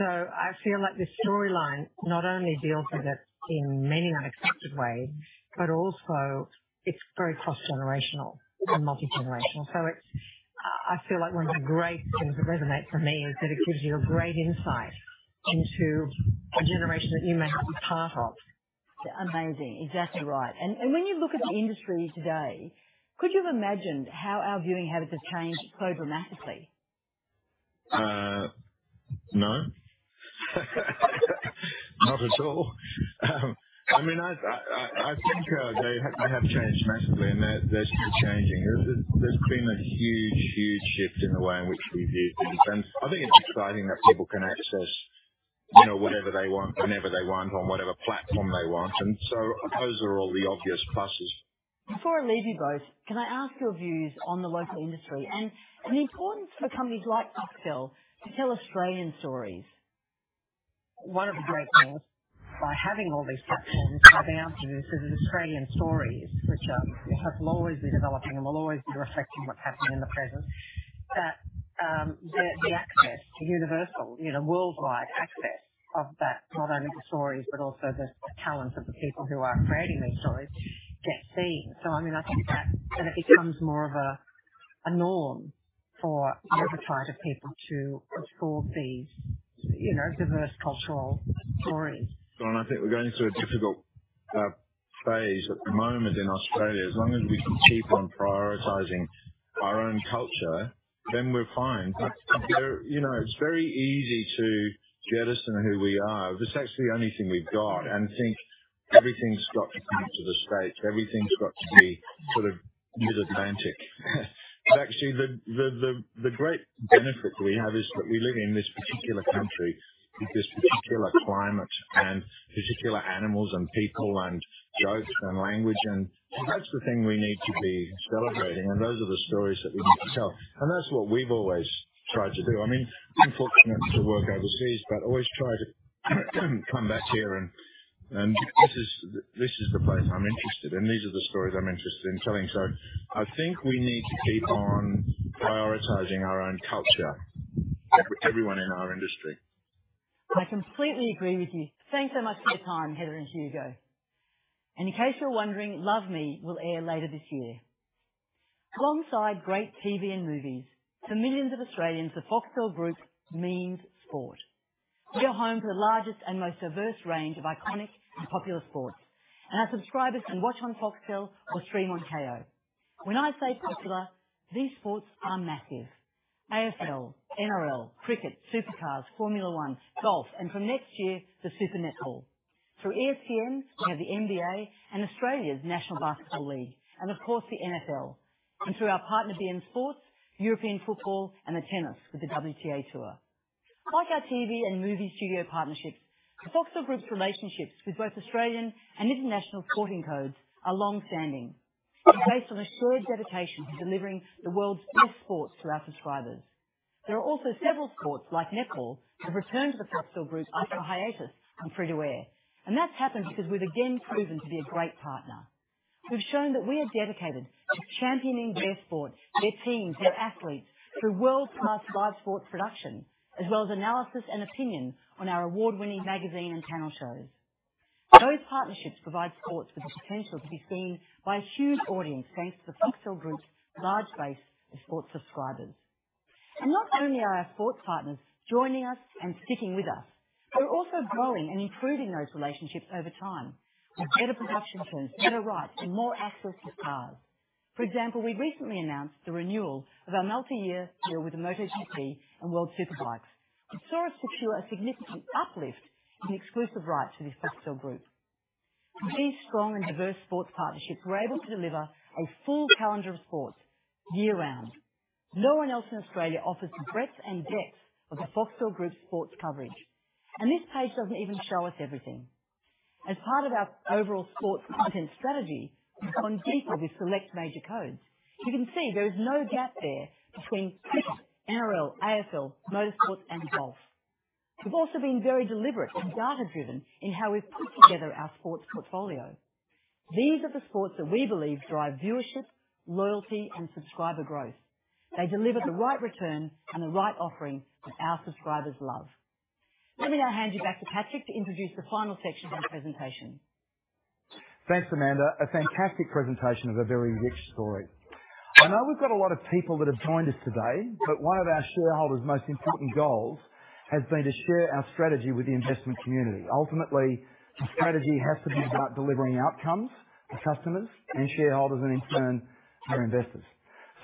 R: I feel like this storyline not only deals with it in many unexpected ways, but also it's very cross-generational and multi-generational. I feel like one of the great things that resonates for me is that it gives you a great insight into a generation that you may not be part of.
O: Amazing. Exactly right. When you look at the industry today, could you have imagined how our viewing habits have changed so dramatically?
Q: No. Not at all. I think they have changed massively, and they're still changing. There's been a huge, huge shift in the way in which we view things, and I think it's exciting that people can access whatever they want, whenever they want, on whatever platform they want. Those are all the obvious pluses.
O: Before I leave you both, can I ask your views on the local industry and the importance for companies like Foxtel to tell Australian stories?
R: One of the great things, by having all these platforms, I think our view is that Australian stories, which will always be developing and will always be reflecting what's happening in the present, that the access, universal, worldwide access of that, not only the stories, but also the talents of the people who are creating these stories, get seen. I think that then it becomes more of a norm for every type of people to absorb these diverse cultural stories.
Q: I think we're going through a difficult phase at the moment in Australia. As long as we can keep on prioritizing our own culture, then we're fine. It's very easy to jettison who we are. That's actually the only thing we've got, and think everything's got to come to the U.S., everything's got to be sort of Mid-Atlantic. Actually the great benefit we have is that we live in this particular country with this particular climate and particular animals and people and jokes and language, and that's the thing we need to be celebrating, and those are the stories that we need to tell. That's what we've always tried to do. I've been fortunate to work overseas, but always try to come back here, and this is the place I'm interested in. These are the stories I'm interested in telling. I think we need to keep on prioritizing our own culture, everyone in our industry.
O: I completely agree with you. Thanks so much for your time, Heather and Hugo. In case you're wondering, Love Me will air later this year. Alongside great TV and movies, for millions of Australians, the Foxtel Group means sport. We are home to the largest and most diverse range of iconic and popular sports, and our subscribers can watch on Foxtel or stream on Kayo. When I say popular, these sports are massive. AFL, NRL, cricket, Supercars, Formula One, golf, and from next year, the Super Netball. Through ESPN, we have the NBA and Australia's National Basketball League, and of course, the NFL. Through our partner, beIN SPORTS, European football, and the tennis with the WTA Tour. Like our TV and movie studio partnerships, the Foxtel Group's relationships with both Australian and international sporting codes are longstanding and based on a shared dedication to delivering the world's best sports to our subscribers. There are also several sports, like netball, that have returned to the Foxtel Group after a hiatus on free-to-air. That's happened because we've again proven to be a great partner. We've shown that we are dedicated to championing their sport, their teams, their athletes through world-class live sports production, as well as analysis and opinion on our award-winning magazine and panel shows. Those partnerships provide sports with the potential to be seen by a huge audience, thanks to the Foxtel Group's large base of sports subscribers. Not only are our sports partners joining us and sticking with us, but we're also growing and improving those relationships over time with better production terms, better rights, and more access to Kayo. For example, we recently announced the renewal of our multi-year deal with MotoGP and World Superbikes, which saw us secure a significant uplift in exclusive rights for the Foxtel Group. With these strong and diverse sports partnerships, we're able to deliver a full calendar of sports year-round. No one else in Australia offers the breadth and depth of the Foxtel Group's sports coverage. This page doesn't even show us everything. As part of our overall sports content strategy, we've gone deeper with select major codes. You can see there is no gap there between cricket, NRL, AFL, motorsports, and golf. We've also been very deliberate and data-driven in how we've put together our sports portfolio. These are the sports that we believe drive viewership, loyalty, and subscriber growth. They deliver the right return and the right offering that our subscribers love. Let me now hand you back to Patrick to introduce the final section of the presentation.
D: Thanks, Amanda. A fantastic presentation of a very rich story. I know we've got a lot of people that have joined us today. One of our shareholders' most important goals has been to share our strategy with the investment community. Ultimately, the strategy has to be about delivering outcomes for customers, and shareholders, and in turn, our investors.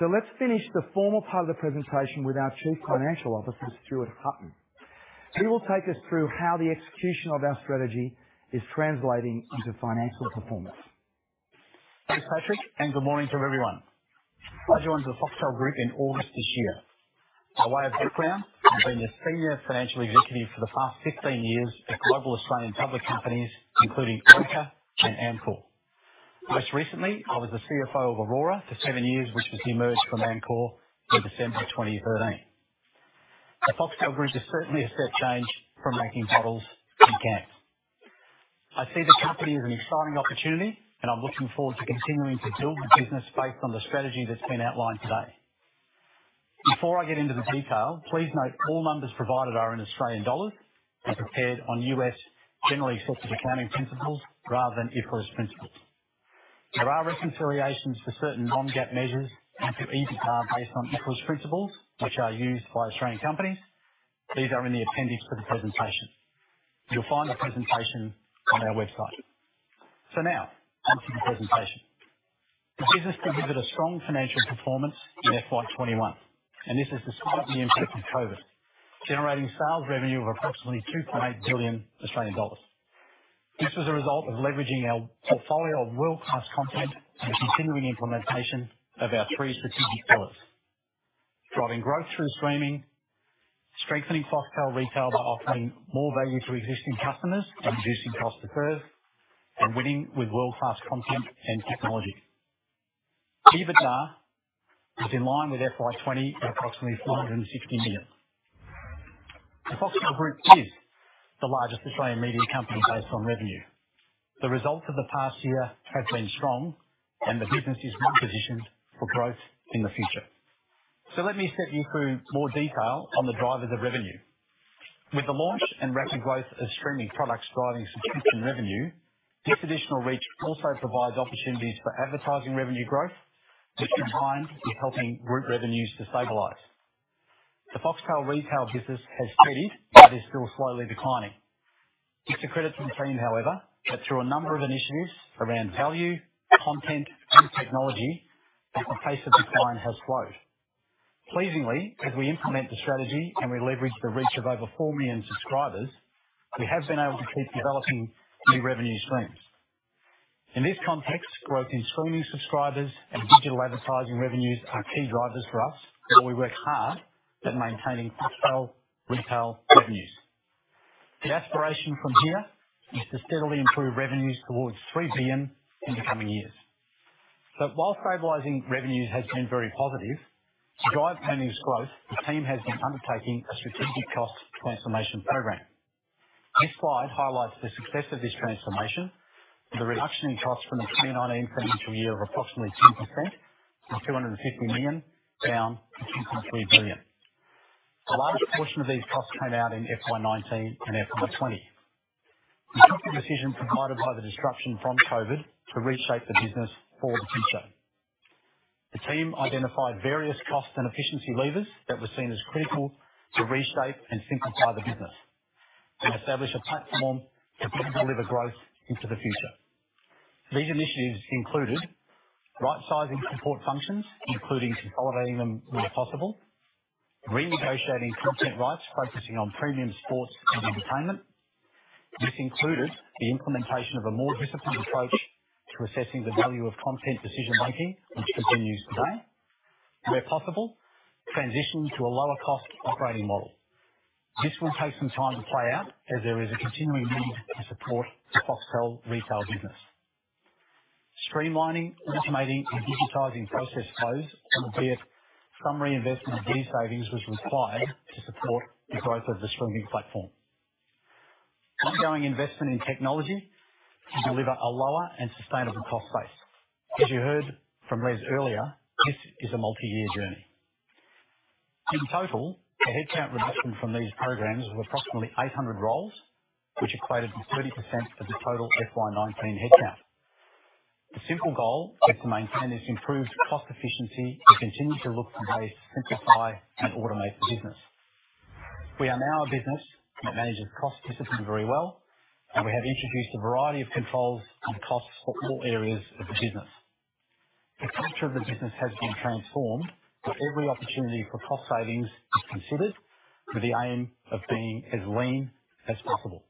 D: Let's finish the formal part of the presentation with our Chief Financial Officer, Stuart Hutton. He will take us through how the execution of our strategy is translating into financial performance.
S: Thanks, Patrick, and good morning to everyone. I joined the Foxtel Group in August this year. By way of background, I've been a senior financial executive for the past 15 years at global Australian public companies, including Pact Group and Amcor. Most recently, I was the CFO of Orora for 7 years, which was demerged from Amcor in December 2013. The Foxtel Group is certainly a step change from making bottles and cans. I see the company as an exciting opportunity, and I'm looking forward to continuing to build the business based on the strategy that's been outlined today. Before I get into the detail, please note all numbers provided are in Australian dollars and prepared on US generally accepted accounting principles rather than IFRS principles. There are reconciliations for certain non-GAAP measures and for EBITDA based on IFRS principles, which are used by Australian companies. These are in the appendix for the presentation. You'll find the presentation on our website. Now, on to the presentation. The business delivered a strong financial performance in FY 2021, and this is despite the impact of COVID, generating sales revenue of approximately 2.8 billion Australian dollars. This was a result of leveraging our portfolio of world-class content and continuing implementation of our three strategic pillars: driving growth through streaming, strengthening Foxtel Retail by offering more value to existing customers and reducing cost to serve, and winning with world-class content and technology. EBITDA was in line with FY 2020 at approximately 460 million. The Foxtel Group is the largest Australian media company based on revenue. The results of the past year have been strong, and the business is well-positioned for growth in the future. Let me step you through more detail on the drivers of revenue. With the launch and rapid growth of streaming products driving subscription revenue, this additional reach also provides opportunities for advertising revenue growth, which combined with helping group revenues to stabilize. The Foxtel Retail business has steadied but is still slowly declining. It's a credit to the team, however, that through a number of initiatives around value, content, and technology, that the pace of decline has slowed. Pleasingly, as we implement the strategy, and we leverage the reach of over 4 million subscribers, we have been able to keep developing new revenue streams. In this context, growth in streaming subscribers and digital advertising revenues are key drivers for us, while we work hard at maintaining Foxtel Retail revenues. The aspiration from here is to steadily improve revenues towards 3 billion in the coming years. While stabilizing revenues has been very positive, to drive earnings growth, the team has been undertaking a strategic cost transformation program. This slide highlights the success of this transformation with a reduction in costs from the 2019 financial year of approximately 10% from $250 million down to $2.3 billion. The largest portion of these costs came out in FY 2019 and FY 2020. We took the decision provided by the disruption from COVID to reshape the business for the future. The team identified various cost and efficiency levers that were seen as critical to reshape and simplify the business and establish a platform to deliver growth into the future. These initiatives included right-sizing support functions, including consolidating them where possible. Renegotiating content rights, focusing on premium sports and entertainment. This included the implementation of a more disciplined approach to assessing the value of content decision-making, which continues today. Where possible, transition to a lower-cost operating model. This will take some time to play out as there is a continuing need to support the Foxtel Retail business. Streamlining, automating, and digitizing process flows, albeit some reinvestment of these savings was required to support the growth of the streaming platform. Ongoing investment in technology to deliver a lower and sustainable cost base. As you heard from Les earlier, this is a multi-year journey. In total, the headcount reduction from these programs was approximately 800 roles, which equated to 30% of the total FY 2019 headcount. The simple goal is to maintain this improved cost efficiency to continue to look to ways to simplify and automate the business. We are now a business that manages cost discipline very well, and we have introduced a variety of controls on costs for core areas of the business. The culture of the business has been transformed, where every opportunity for cost savings is considered with the aim of being as lean as possible.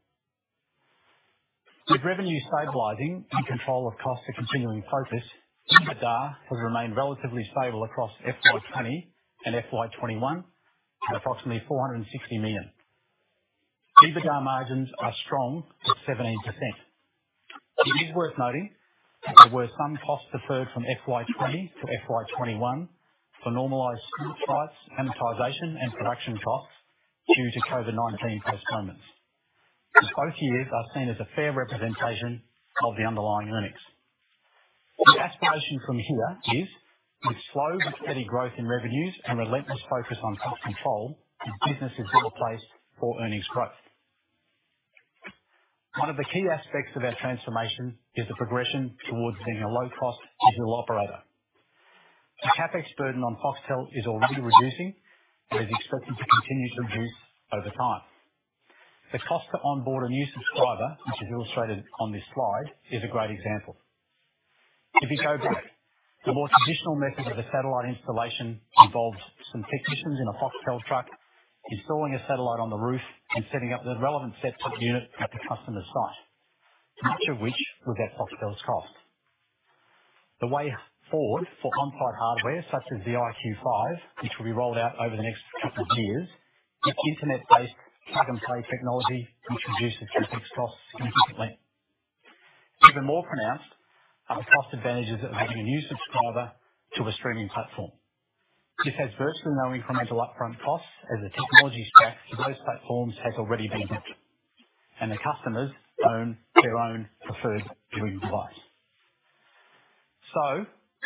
S: With revenue stabilizing and control of costs a continuing focus, EBITDA has remained relatively stable across FY 2020 and FY 2021 at approximately $460 million. EBITDA margins are strong at 17%. It is worth noting that there were some costs deferred from FY 2020 to FY 2021 for normalized sport, amortization, and production costs due to COVID-19 postponements. Both years are seen as a fair representation of the underlying earnings. The aspiration from here is with slow but steady growth in revenues and relentless focus on cost control, this business is well-placed for earnings growth. One of the key aspects of our transformation is the progression towards being a low-cost digital operator. The CapEx burden on Foxtel is already reducing and is expected to continue to reduce over time. The cost to onboard a new subscriber, which is illustrated on this slide, is a great example. If you go back, the more traditional method of a satellite installation involved some technicians in a Foxtel truck installing a satellite on the roof and setting up the relevant set-top unit at the customer site, much of which was at Foxtel's cost. The way forward for on-site hardware, such as the iQ5, which will be rolled out over the next couple of years, is internet-based plug-and-play technology, which reduces CapEx costs significantly. Even more pronounced are the cost advantages of adding a new subscriber to a streaming platform. This has virtually no incremental upfront costs as the technology stack for those platforms has already been built, and the customers own their own preferred viewing device.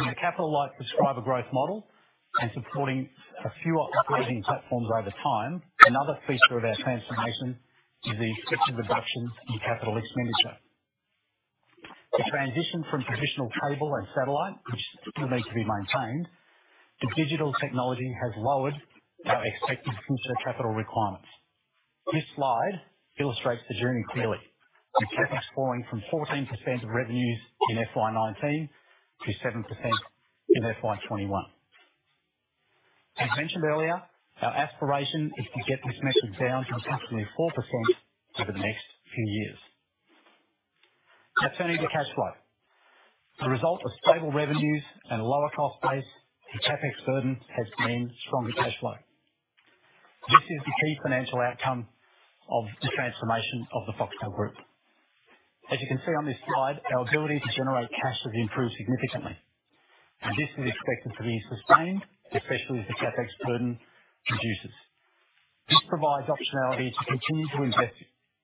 S: With a capital-light subscriber growth model and supporting a few operating platforms over time, another feature of our transformation is the expected reduction in capital expenditure. The transition from traditional cable and satellite, which will need to be maintained, to digital technology has lowered our expected future capital requirements. This slide illustrates the journey clearly, with CapEx falling from 14% of revenues in FY 2019 to 7% in FY 2021. As mentioned earlier, our aspiration is to get this measure down to approximately 4% over the next few years. Turning to cash flow. The result of stable revenues and a lower cost base with CapEx burden has been stronger cash flow. This is the key financial outcome of the transformation of the Foxtel Group. As you can see on this slide, our ability to generate cash has improved significantly. This is expected to be sustained, especially as the CapEx burden reduces. This provides optionality to continue to invest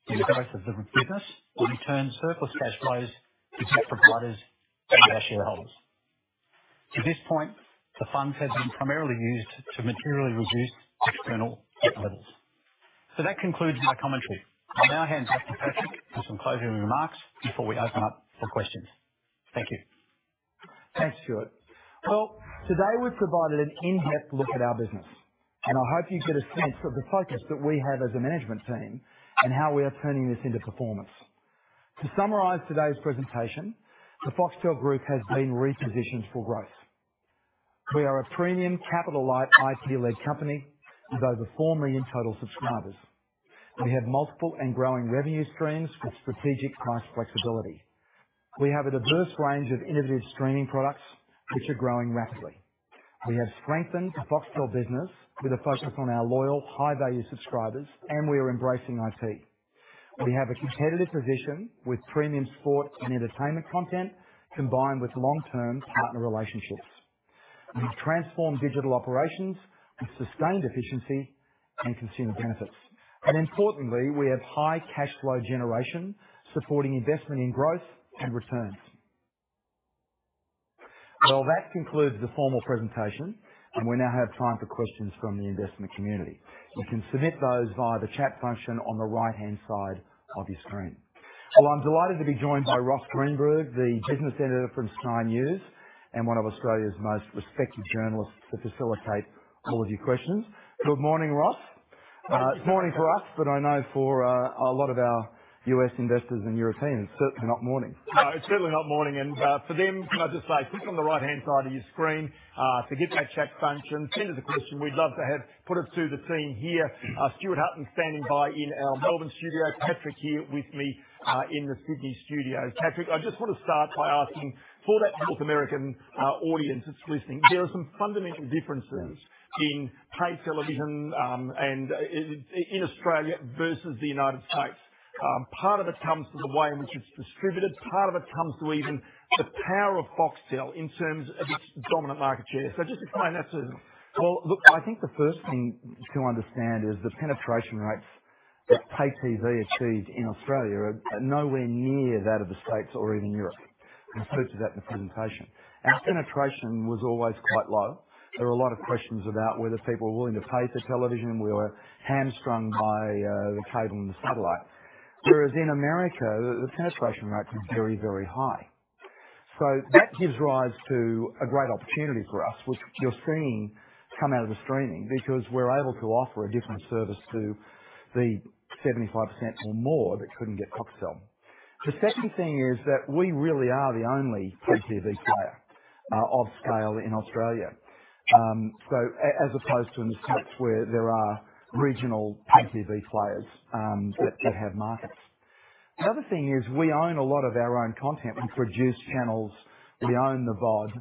S: in the growth of the business and return surplus cash flows to shareholders. To this point, the funds have been primarily used to materially reduce external debt levels. That concludes my commentary. I'll now hand over to Patrick for some closing remarks before we open up for questions. Thank you.
D: Thanks, Stuart. Well, today we've provided an in-depth look at our business, and I hope you get a sense of the focus that we have as a management team and how we are turning this into performance. To summarize today's presentation, the Foxtel Group has been repositioned for growth. We are a premium capital-light, IP-led company with over 4 million total subscribers. We have multiple and growing revenue streams with strategic price flexibility. We have a diverse range of innovative streaming products which are growing rapidly. We have strengthened the Foxtel business with a focus on our loyal high-value subscribers, and we are embracing IP. We have a competitive position with premium sport and entertainment content, combined with long-term partner relationships. We've transformed digital operations with sustained efficiency and consumer benefits. Importantly, we have high cash flow generation supporting investment in growth and returns. Well, that concludes the formal presentation. We now have time for questions from the investment community. You can submit those via the chat function on the right-hand side of your screen. Well, I'm delighted to be joined by Ross Greenwood, the business editor from Sky News and one of Australia's most respected journalists, to facilitate all of your questions. Good morning, Ross. It's morning for us. I know for a lot of our U.S. investors and Europeans, it's certainly not morning.
T: No, it's certainly not morning. For them, can I just say, click on the right-hand side of your screen to get that chat function. Send us a question. We'd love to have put it to the team here. Stuart Hutton standing by in our Melbourne studio. Patrick here with me, in the Sydney studio. Patrick, I just want to start by asking for that North American audience that's listening, there are some fundamental differences in paid television, in Australia versus the United States. Part of it comes from the way in which it's distributed. Part of it comes to even the power of Foxtel in terms of its dominant market share. Just to comment on that.
D: Look, I think the first thing to understand is the penetration rates that Pay TV achieves in Australia are nowhere near that of the States or even Europe, as Stuart said in the presentation. Our penetration was always quite low. There were a lot of questions about whether people were willing to pay for television. We were hamstrung by cable and satellite. Whereas in America, the penetration rate was very, very high. That gives rise to a great opportunity for us, which you're seeing come out of the streaming, because we're able to offer a different service to the 75% or more that couldn't get Foxtel. The second thing is that we really are the only Pay TV player of scale in Australia. As opposed to in the States where there are regional Pay TV players that do have markets. The other thing is we own a lot of our own content. We produce channels, we own the VOD,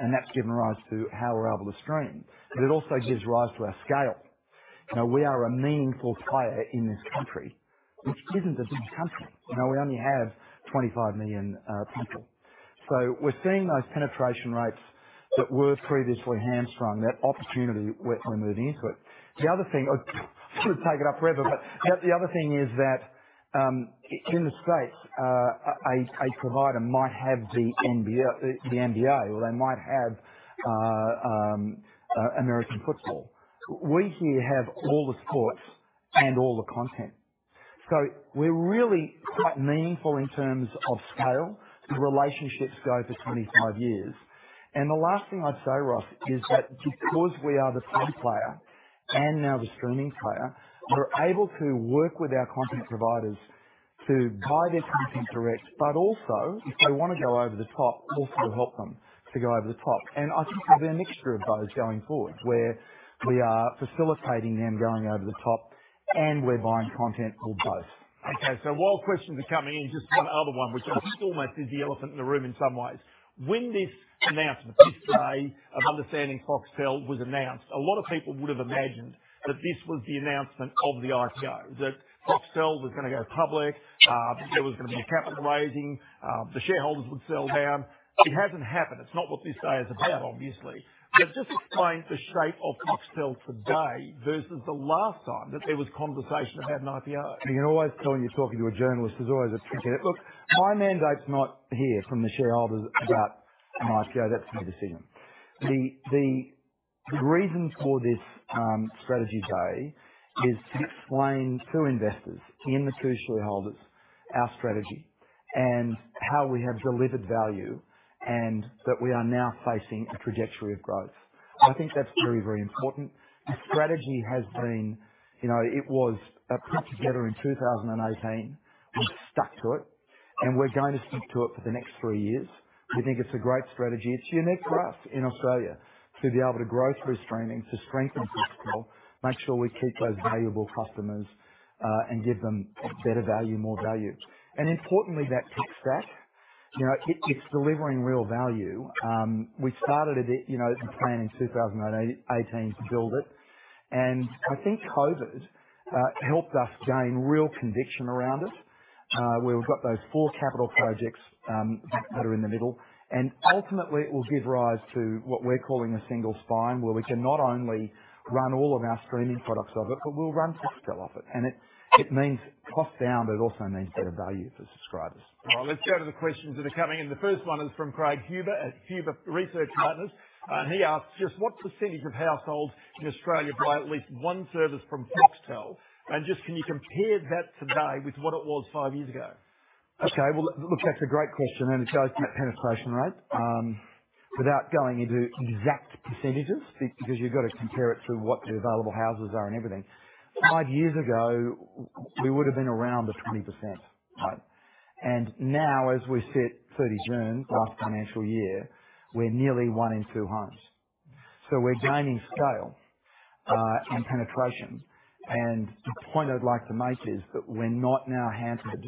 D: and that's given rise to how we're able to stream. It also gives rise to our scale. We are a meaningful player in this country, which isn't a big country. We only have 25 million people. We're seeing those penetration rates that were previously hamstrung, that opportunity, we're moving into it. The other thing, I could take it up forever, but the other thing is that, in the ststes a provider might have the NBA, or they might have American football. We here have all the sports and all the content. We're really quite meaningful in terms of scale. The relationships go for 25 years. The last thing I'd say, Ross, is that because we are the pay TV player and now the streaming player, we're able to work with our content providers to buy their content direct, but also if they want to go over the top, also help them to go over the top. I think there'll be a mixture of both going forward, where we are facilitating them going over the top and we're buying content for both.
T: While questions are coming in, just one other one, which almost is the elephant in the room in some ways. When this announcement, this day of understanding Foxtel was announced, a lot of people would've imagined that this was the announcement of the IPO, that Foxtel was going to go public, there was going to be a capital raising, the shareholders would sell down. It hasn't happened. It's not what this day is about, obviously. Just explain the shape of Foxtel today versus the last time that there was conversation about an IPO.
D: You can always tell when you're talking to a journalist, there's always a twist in it. My mandate's not here from the shareholders about an IPO. That's for them to decide. The reason for this Foxtel Group Strategy Day is to explain to investors and the shareholders our strategy and how we have delivered value, and that we are now facing a trajectory of growth. I think that's very, very important. The strategy was put together in 2018. We've stuck to it. We're going to stick to it for the next 3 years. We think it's a great strategy. It's unique for us in Australia to be able to grow through streaming, to strengthen Foxtel, make sure we keep those valuable customers, give them better value, more value. Importantly, that tech stack, it's delivering real value. We started it, the plan in 2018 to build it, I think COVID helped us gain real conviction around it, where we've got those four capital projects that are in the middle. Ultimately, it will give rise to what we're calling a single spine, where we can not only run all of our streaming products off it, but we'll run Foxtel off it. It means cost down, but it also means better value for subscribers.
T: All right. Let's go to the questions that are coming in. The first one is from Craig Huber at Huber Research Partners. He asks, "Just what percentage of households in Australia buy at least one service from Foxtel? Can you compare that today with what it was 5 years ago?
D: Okay. Well, look, that's a great question, and it goes to that penetration rate. Without going into exact percentages, because you've got to compare it to what the available houses are and everything. five years ago, we would've been around the 20%, right? Now, as we sit 30 June, last financial year, we're nearly one in two homes. We're gaining scale, and penetration. The point I'd like to make is that we're not now hampered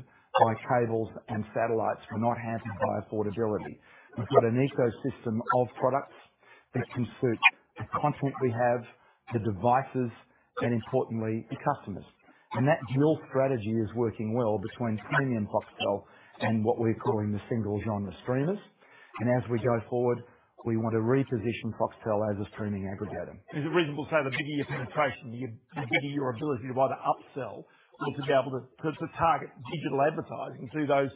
D: by cables and satellites. We're not hampered by affordability. We've got an ecosystem of products that can suit the content we have, the devices, and importantly, the customers. That dual strategy is working well between premium Foxtel and what we're calling the single-genre streamers. As we go forward, we want to reposition Foxtel as a streaming aggregator.
T: Is it reasonable to say the bigger your penetration, the bigger your ability to either upsell or to be able to target digital advertising through those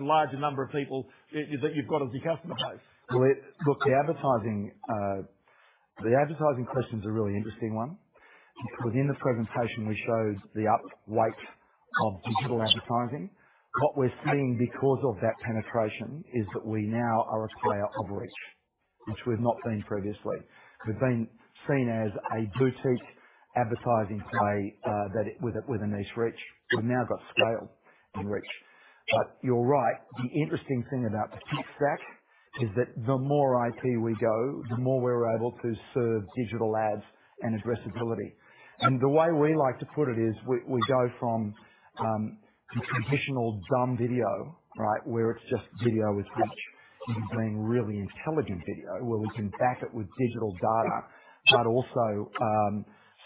T: larger number of people that you've got as your customer base?
D: The advertising question's a really interesting one. Within the presentation, we showed the up-weight of digital advertising. What we're seeing because of that penetration is that we now are a player of reach, which we've not been previously. We've been seen as a boutique advertising play, with a niche reach. We've now got scale and reach. The interesting thing about the tech stack is that the more IP we go, the more we're able to serve digital ads and addressability. The way we like to put it is, we go from the traditional dumb video, right, where it's just video with reach, to being really intelligent video where we can back it with digital data, but also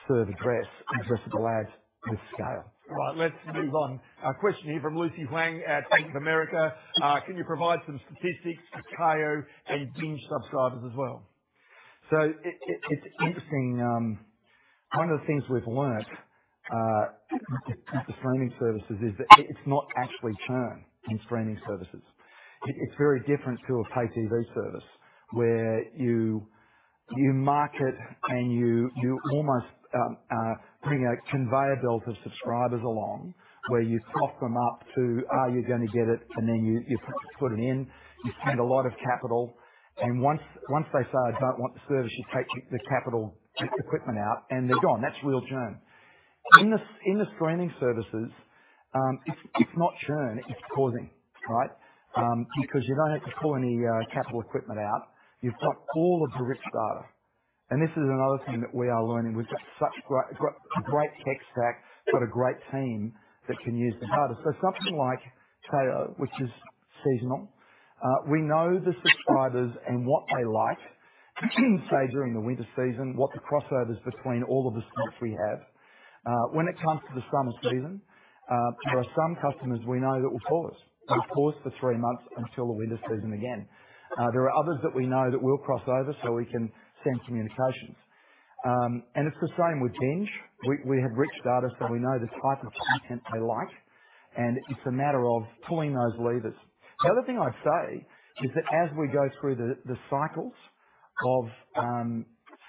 D: serve addressable ads with scale.
T: All right, let's move on. A question here from Lucy Huang at Bank of America. "Can you provide some statistics for Kayo and BINGE subscribers as well?
D: It's interesting. One of the things we've learned with the streaming services is that it's not actually churn in streaming services. It's very different to a pay TV service where you market and you almost bring a conveyor belt of subscribers along, where you soft them up to, "Are you going to get it?" Then you put it in, you spend a lot of capital, and once they say, "I don't want the service," you take the capital equipment out, and they're gone. That's real churn. In the streaming services, it's not churn, it's pausing. You don't have to pull any capital equipment out. You've got all of the rich data. This is another thing that we are learning. We've got great tech stack, got a great team that can use the data. Something like Kayo, which is seasonal, we know the subscribers and what they like, say, during the winter season, what the crossover is between all of the sports we have. When it comes to the summer season, there are some customers we know that will pause. They'll pause for 3 months until the winter season again. There are others that we know that will cross over so we can send communications. It's the same with BINGE. We have rich data, so we know the type of content they like, and it's a matter of pulling those levers. The other thing I'd say, is that as we go through the cycles of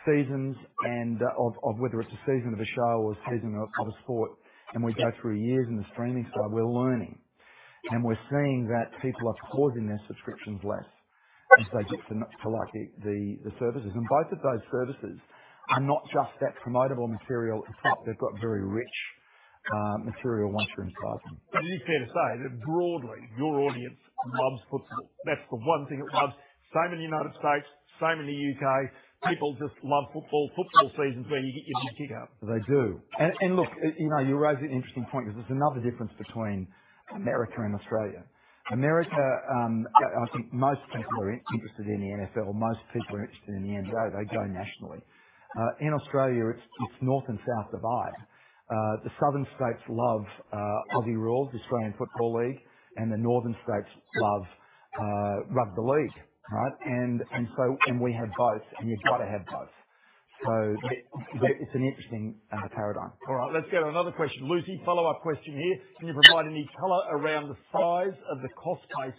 D: seasons and of whether it's a season of a show or a season of a sport, and we go through years in the streaming side, we're learning. We're seeing that people are pausing their subscriptions less as they get to like the services. Both of those services are not just that promotable material at the top. They've got very rich material once you're inside them.
T: Is it fair to say that broadly, your audience loves football? That's the one thing it loves. Same in the U.S., same in the U.K. People just love football. Football season is where you get your big kick out.
D: They do. Look, you raise an interesting point because there's another difference between America and Australia. America, I think most people are interested in the NFL. Most people are interested in the NFL. They go nationally. In Australia, it's north and south divide. The southern states love Aussie Rules, Australian Football League, and the northern states love Rugby League. We have both, and you've got to have both. It's an interesting paradigm.
T: All right. Let's go to another question. Lucy, follow-up question here. Can you provide any color around the size of the cost base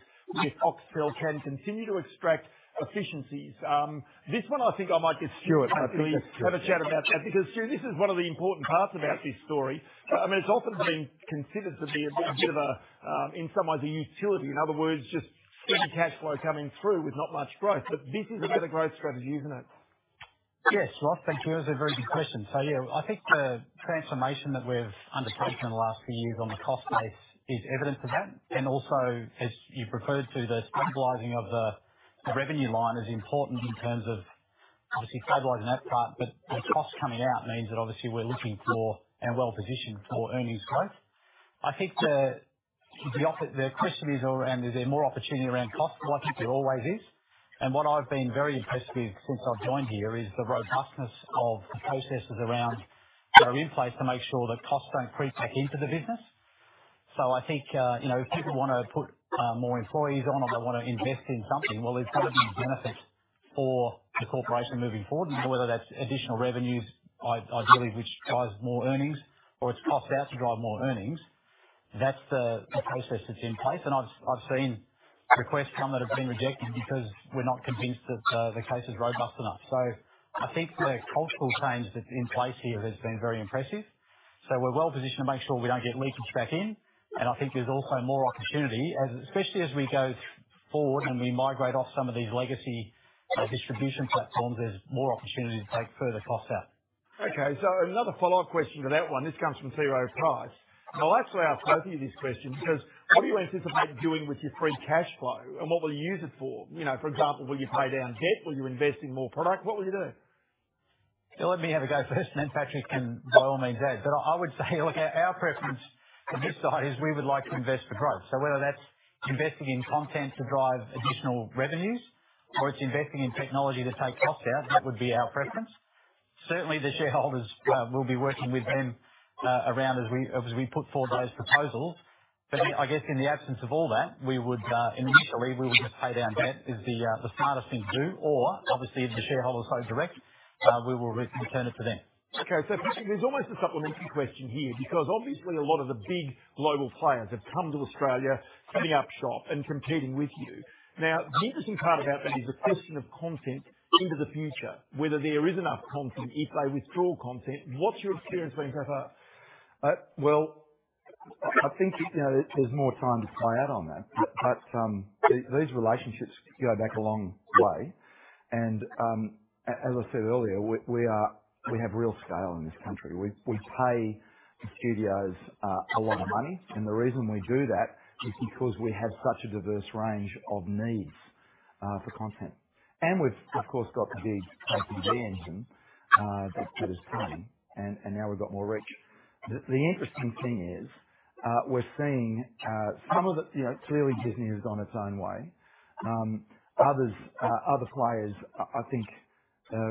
T: if Foxtel can continue to extract efficiencies? This one I think I might get Stuart to have a chat about that, because Stuart, this is one of the important parts about this story. It's often been considered to be a bit of a, in some ways, a utility. In other words, just steady cash flow coming through with not much growth. This is a bit of growth strategy, isn't it?
S: Yes, thank you. That was a very good question. Yeah, I think the transformation that we've undertaken in the last few years on the cost base is evidence of that. Also, as you referred to, the stabilizing of the revenue line is important in terms of obviously stabilizing that part, but the cost coming out means that obviously we're looking for and well-positioned for earnings growth. I think the question is there more opportunity around cost? Well, I think there always is. What I've been very impressed with since I've joined here is the robustness of the processes around that are in place to make sure that costs don't creep back into the business. I think if people want to put more employees on or they want to invest in something, well, there's got to be benefit for the corporation moving forward. Whether that's additional revenues, ideally, which drives more earnings or it's cost out to drive more earnings, that's the process that's in place. I've seen requests come that have been rejected because we're not convinced that the case is robust enough. I think the cultural change that's in place here has been very impressive. We're well positioned to make sure we don't get leakage back in, and I think there's also more opportunity, especially as we go forward and we migrate off some of these legacy distribution platforms, there's more opportunity to take further cost out.
T: Okay, another follow-up question to that one. This comes from T. Rowe Price. I'll actually ask both of you this question because what do you anticipate doing with your free cash flow, and what will you use it for? For example, will you pay down debt? Will you invest in more product? What will you do?
S: Let me have a go first, and then Patrick can by all means add. I would say, look, our preference from this side is we would like to invest for growth. Whether that's investing in content to drive additional revenues or it's investing in technology to take cost out, that would be our preference. Certainly, the shareholders, we'll be working with them around as we put forward those proposals. I guess in the absence of all that, initially, we would just pay down debt is the smartest thing to do. Obviously, if the shareholders so direct, we will return it to them.
T: Okay. Patrick, there's almost a supplementary question here because obviously a lot of the big global players have come to Australia, setting up shop and competing with you. The interesting part about that is the question of content into the future, whether there is enough content if they withdraw content. What's your experience been, Will?
D: I think there's more time to play out on that. These relationships go back a long way, and as I said earlier, we have real scale in this country. We pay the studios a lot of money, and the reason we do that is because we have such a diverse range of needs for content. We've, of course, got the big FHB engine, that's been as playing, and now we've got more reach. The interesting thing is, clearly, Disney has gone its own way. Other players, I think,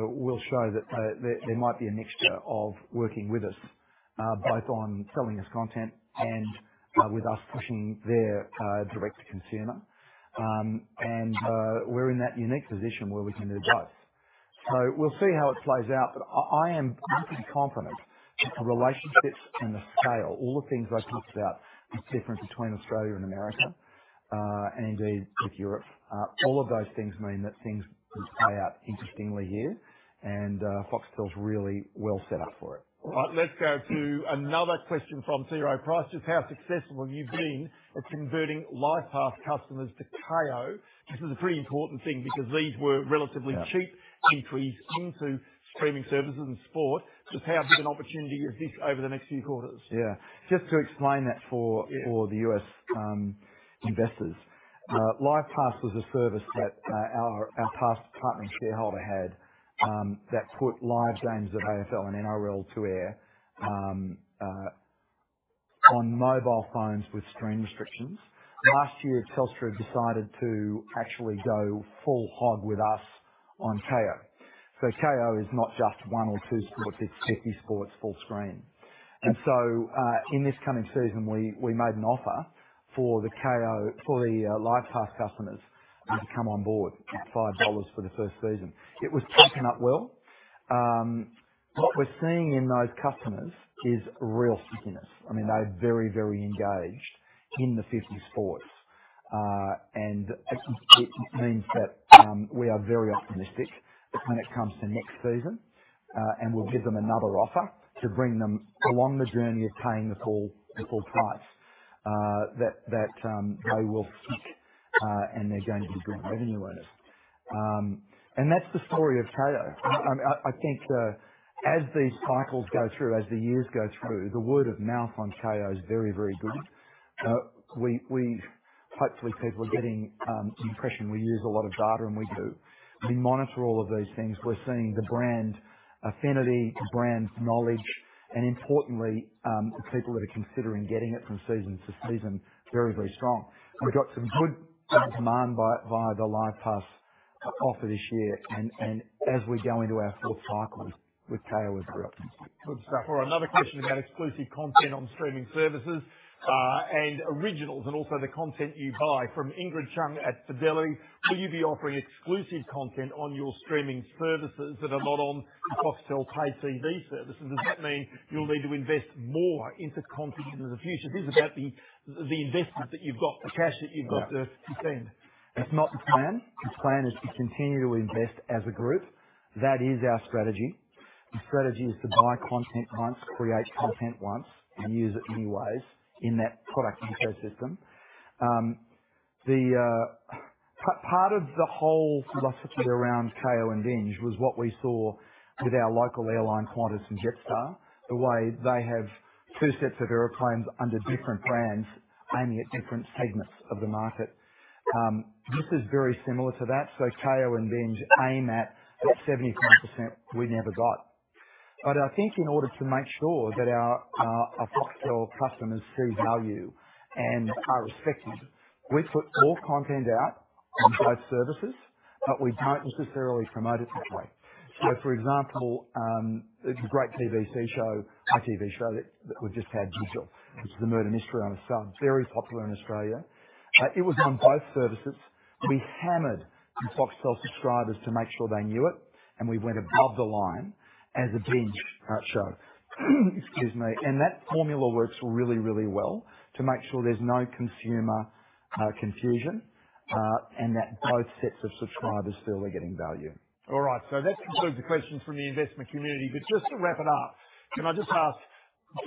D: will show that there might be a mixture of working with us, both on selling us content and with us pushing their direct-to-consumer. We're in that unique position where we can do both. We'll see how it plays out. I am pretty confident that the relationships and the scale, all the things I talked about, the difference between Australia and America, and indeed with Europe, all of those things mean that things can play out interestingly here, and Foxtel's really well set up for it.
T: All right. Let's go to another question from T. Rowe Price. Just how successful have you been at converting Live Pass customers to Kayo? This is a pretty important thing because these were relatively cheap entries into streaming services and sport. Just how big an opportunity is this over the next few quarters?
D: Just to explain that for the U.S. investors. Live Pass was a service that our past partner shareholder had that put live games of AFL and NRL to air on mobile phones with screen restrictions. Last year, Telstra decided to actually go full hog with us on Kayo. Kayo is not just one or two sports, it's 50 sports full screen. In this coming season, we made an offer for the Live Pass customers to come on board at 5 dollars for the first season. It was taken up well. What we're seeing in those customers is real stickiness. They're very engaged in the 50 sports. It means that we are very optimistic when it comes to next season, and we'll give them another offer to bring them along the journey of paying the full price, that they will stick, and they're going to be great revenue earners. That's the story of Kayo. I think as these cycles go through, as the years go through, the word of mouth on Kayo is very good. Hopefully, people are getting the impression we use a lot of data, and we do. We monitor all of these things. We're seeing the brand affinity, brand knowledge, and importantly, people that are considering getting it from season to season very strong. We got some good demand via the Live Pass offer this year, and as we go into our full cycles with Kayo as well.
T: Good stuff. All right, another question about exclusive content on streaming services, and originals, and also the content you buy from Ingrid Cheung at Citi. "Will you be offering exclusive content on your streaming services that are not on the Foxtel paid TV services? Does that mean you'll need to invest more into content into the future?" This is about the investment that you've got, the cash that you've got to spend.
D: It's not the plan. The plan is to continually invest as a group. That is our strategy. The strategy is to buy content once, create content once, and use it many ways in that product ecosystem. Part of the whole philosophy around Kayo and BINGE was what we saw with our local airline Qantas and Jetstar, the way they have two sets of airplanes under different brands aiming at different segments of the market. This is very similar to that. Kayo and BINGE aim at that 75% we never got. I think in order to make sure that our Foxtel customers feel value and are respected, we put all content out on both services, but we don't necessarily promote it that way. For example, there's a great BBC show, a TV show that we've just had, Gecko, which is a murder mystery on its own. Very popular in Australia. It was on both services. We hammered the Foxtel subscribers to make sure they knew it, and we went above the line as a BINGE show. Excuse me. That formula works really well to make sure there's no consumer confusion, and that both sets of subscribers feel they're getting value.
T: All right. That concludes the questions from the investment community. Just to wrap it up, can I just ask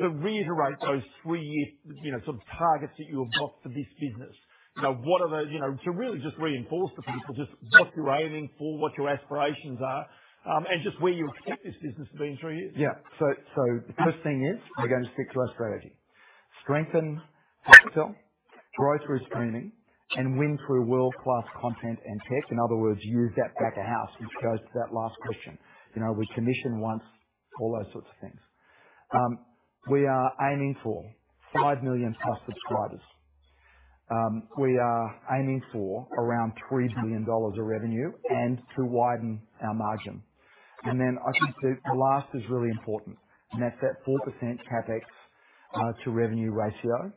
T: to reiterate those three-year targets that you have got for this business? To really just reinforce for people, just what you're aiming for, what your aspirations are, and just where you expect this business to be in three years.
D: Yeah. The first thing is we're going to stick to our strategy, strengthen Foxtel, grow through streaming, and win through world-class content and tech. In other words, use that back of house, which goes to that last question. We commission once, all those sorts of things. We are aiming for 5 million+ subscribers. We are aiming for around 3 billion dollars of revenue and to widen our margin. I think the last is really important, and that's that 4% CapEx to revenue ratio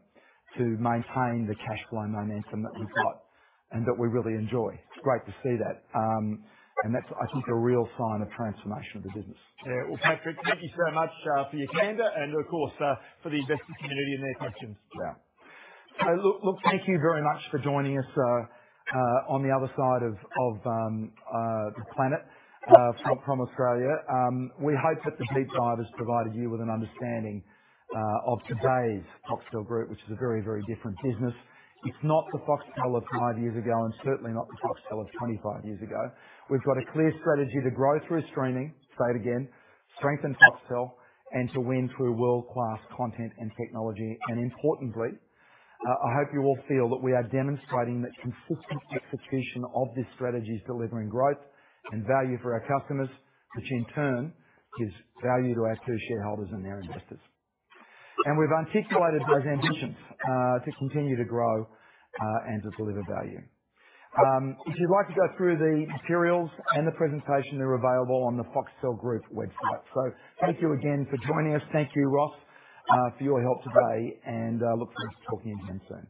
D: to maintain the cash flow momentum that we've got and that we really enjoy. It's great to see that. That's, I think, a real sign of transformation of the business.
T: Yeah. Well, Patrick, thank you so much for your candor and, of course, for the investing community and their questions.
D: Yeah. Look, thank you very much for joining us on the other side of the planet from Australia. We hope that the deep dive has provided you with an understanding of today's Foxtel Group, which is a very different business. It's not the Foxtel of 5 years ago and certainly not the Foxtel of 25 years ago. We've got a clear strategy to grow through streaming, say it again, strengthen Foxtel, and to win through world-class content and technology. Importantly, I hope you all feel that we are demonstrating that consistent execution of this strategy is delivering growth and value for our customers, which in turn gives value to our two shareholders and our investors. We've articulated those ambitions to continue to grow and to deliver value. If you'd like to go through the materials and the presentation, they're available on the Foxtel Group website. Thank you again for joining us. Thank you, Ross, for your help today, and look forward to talking again soon.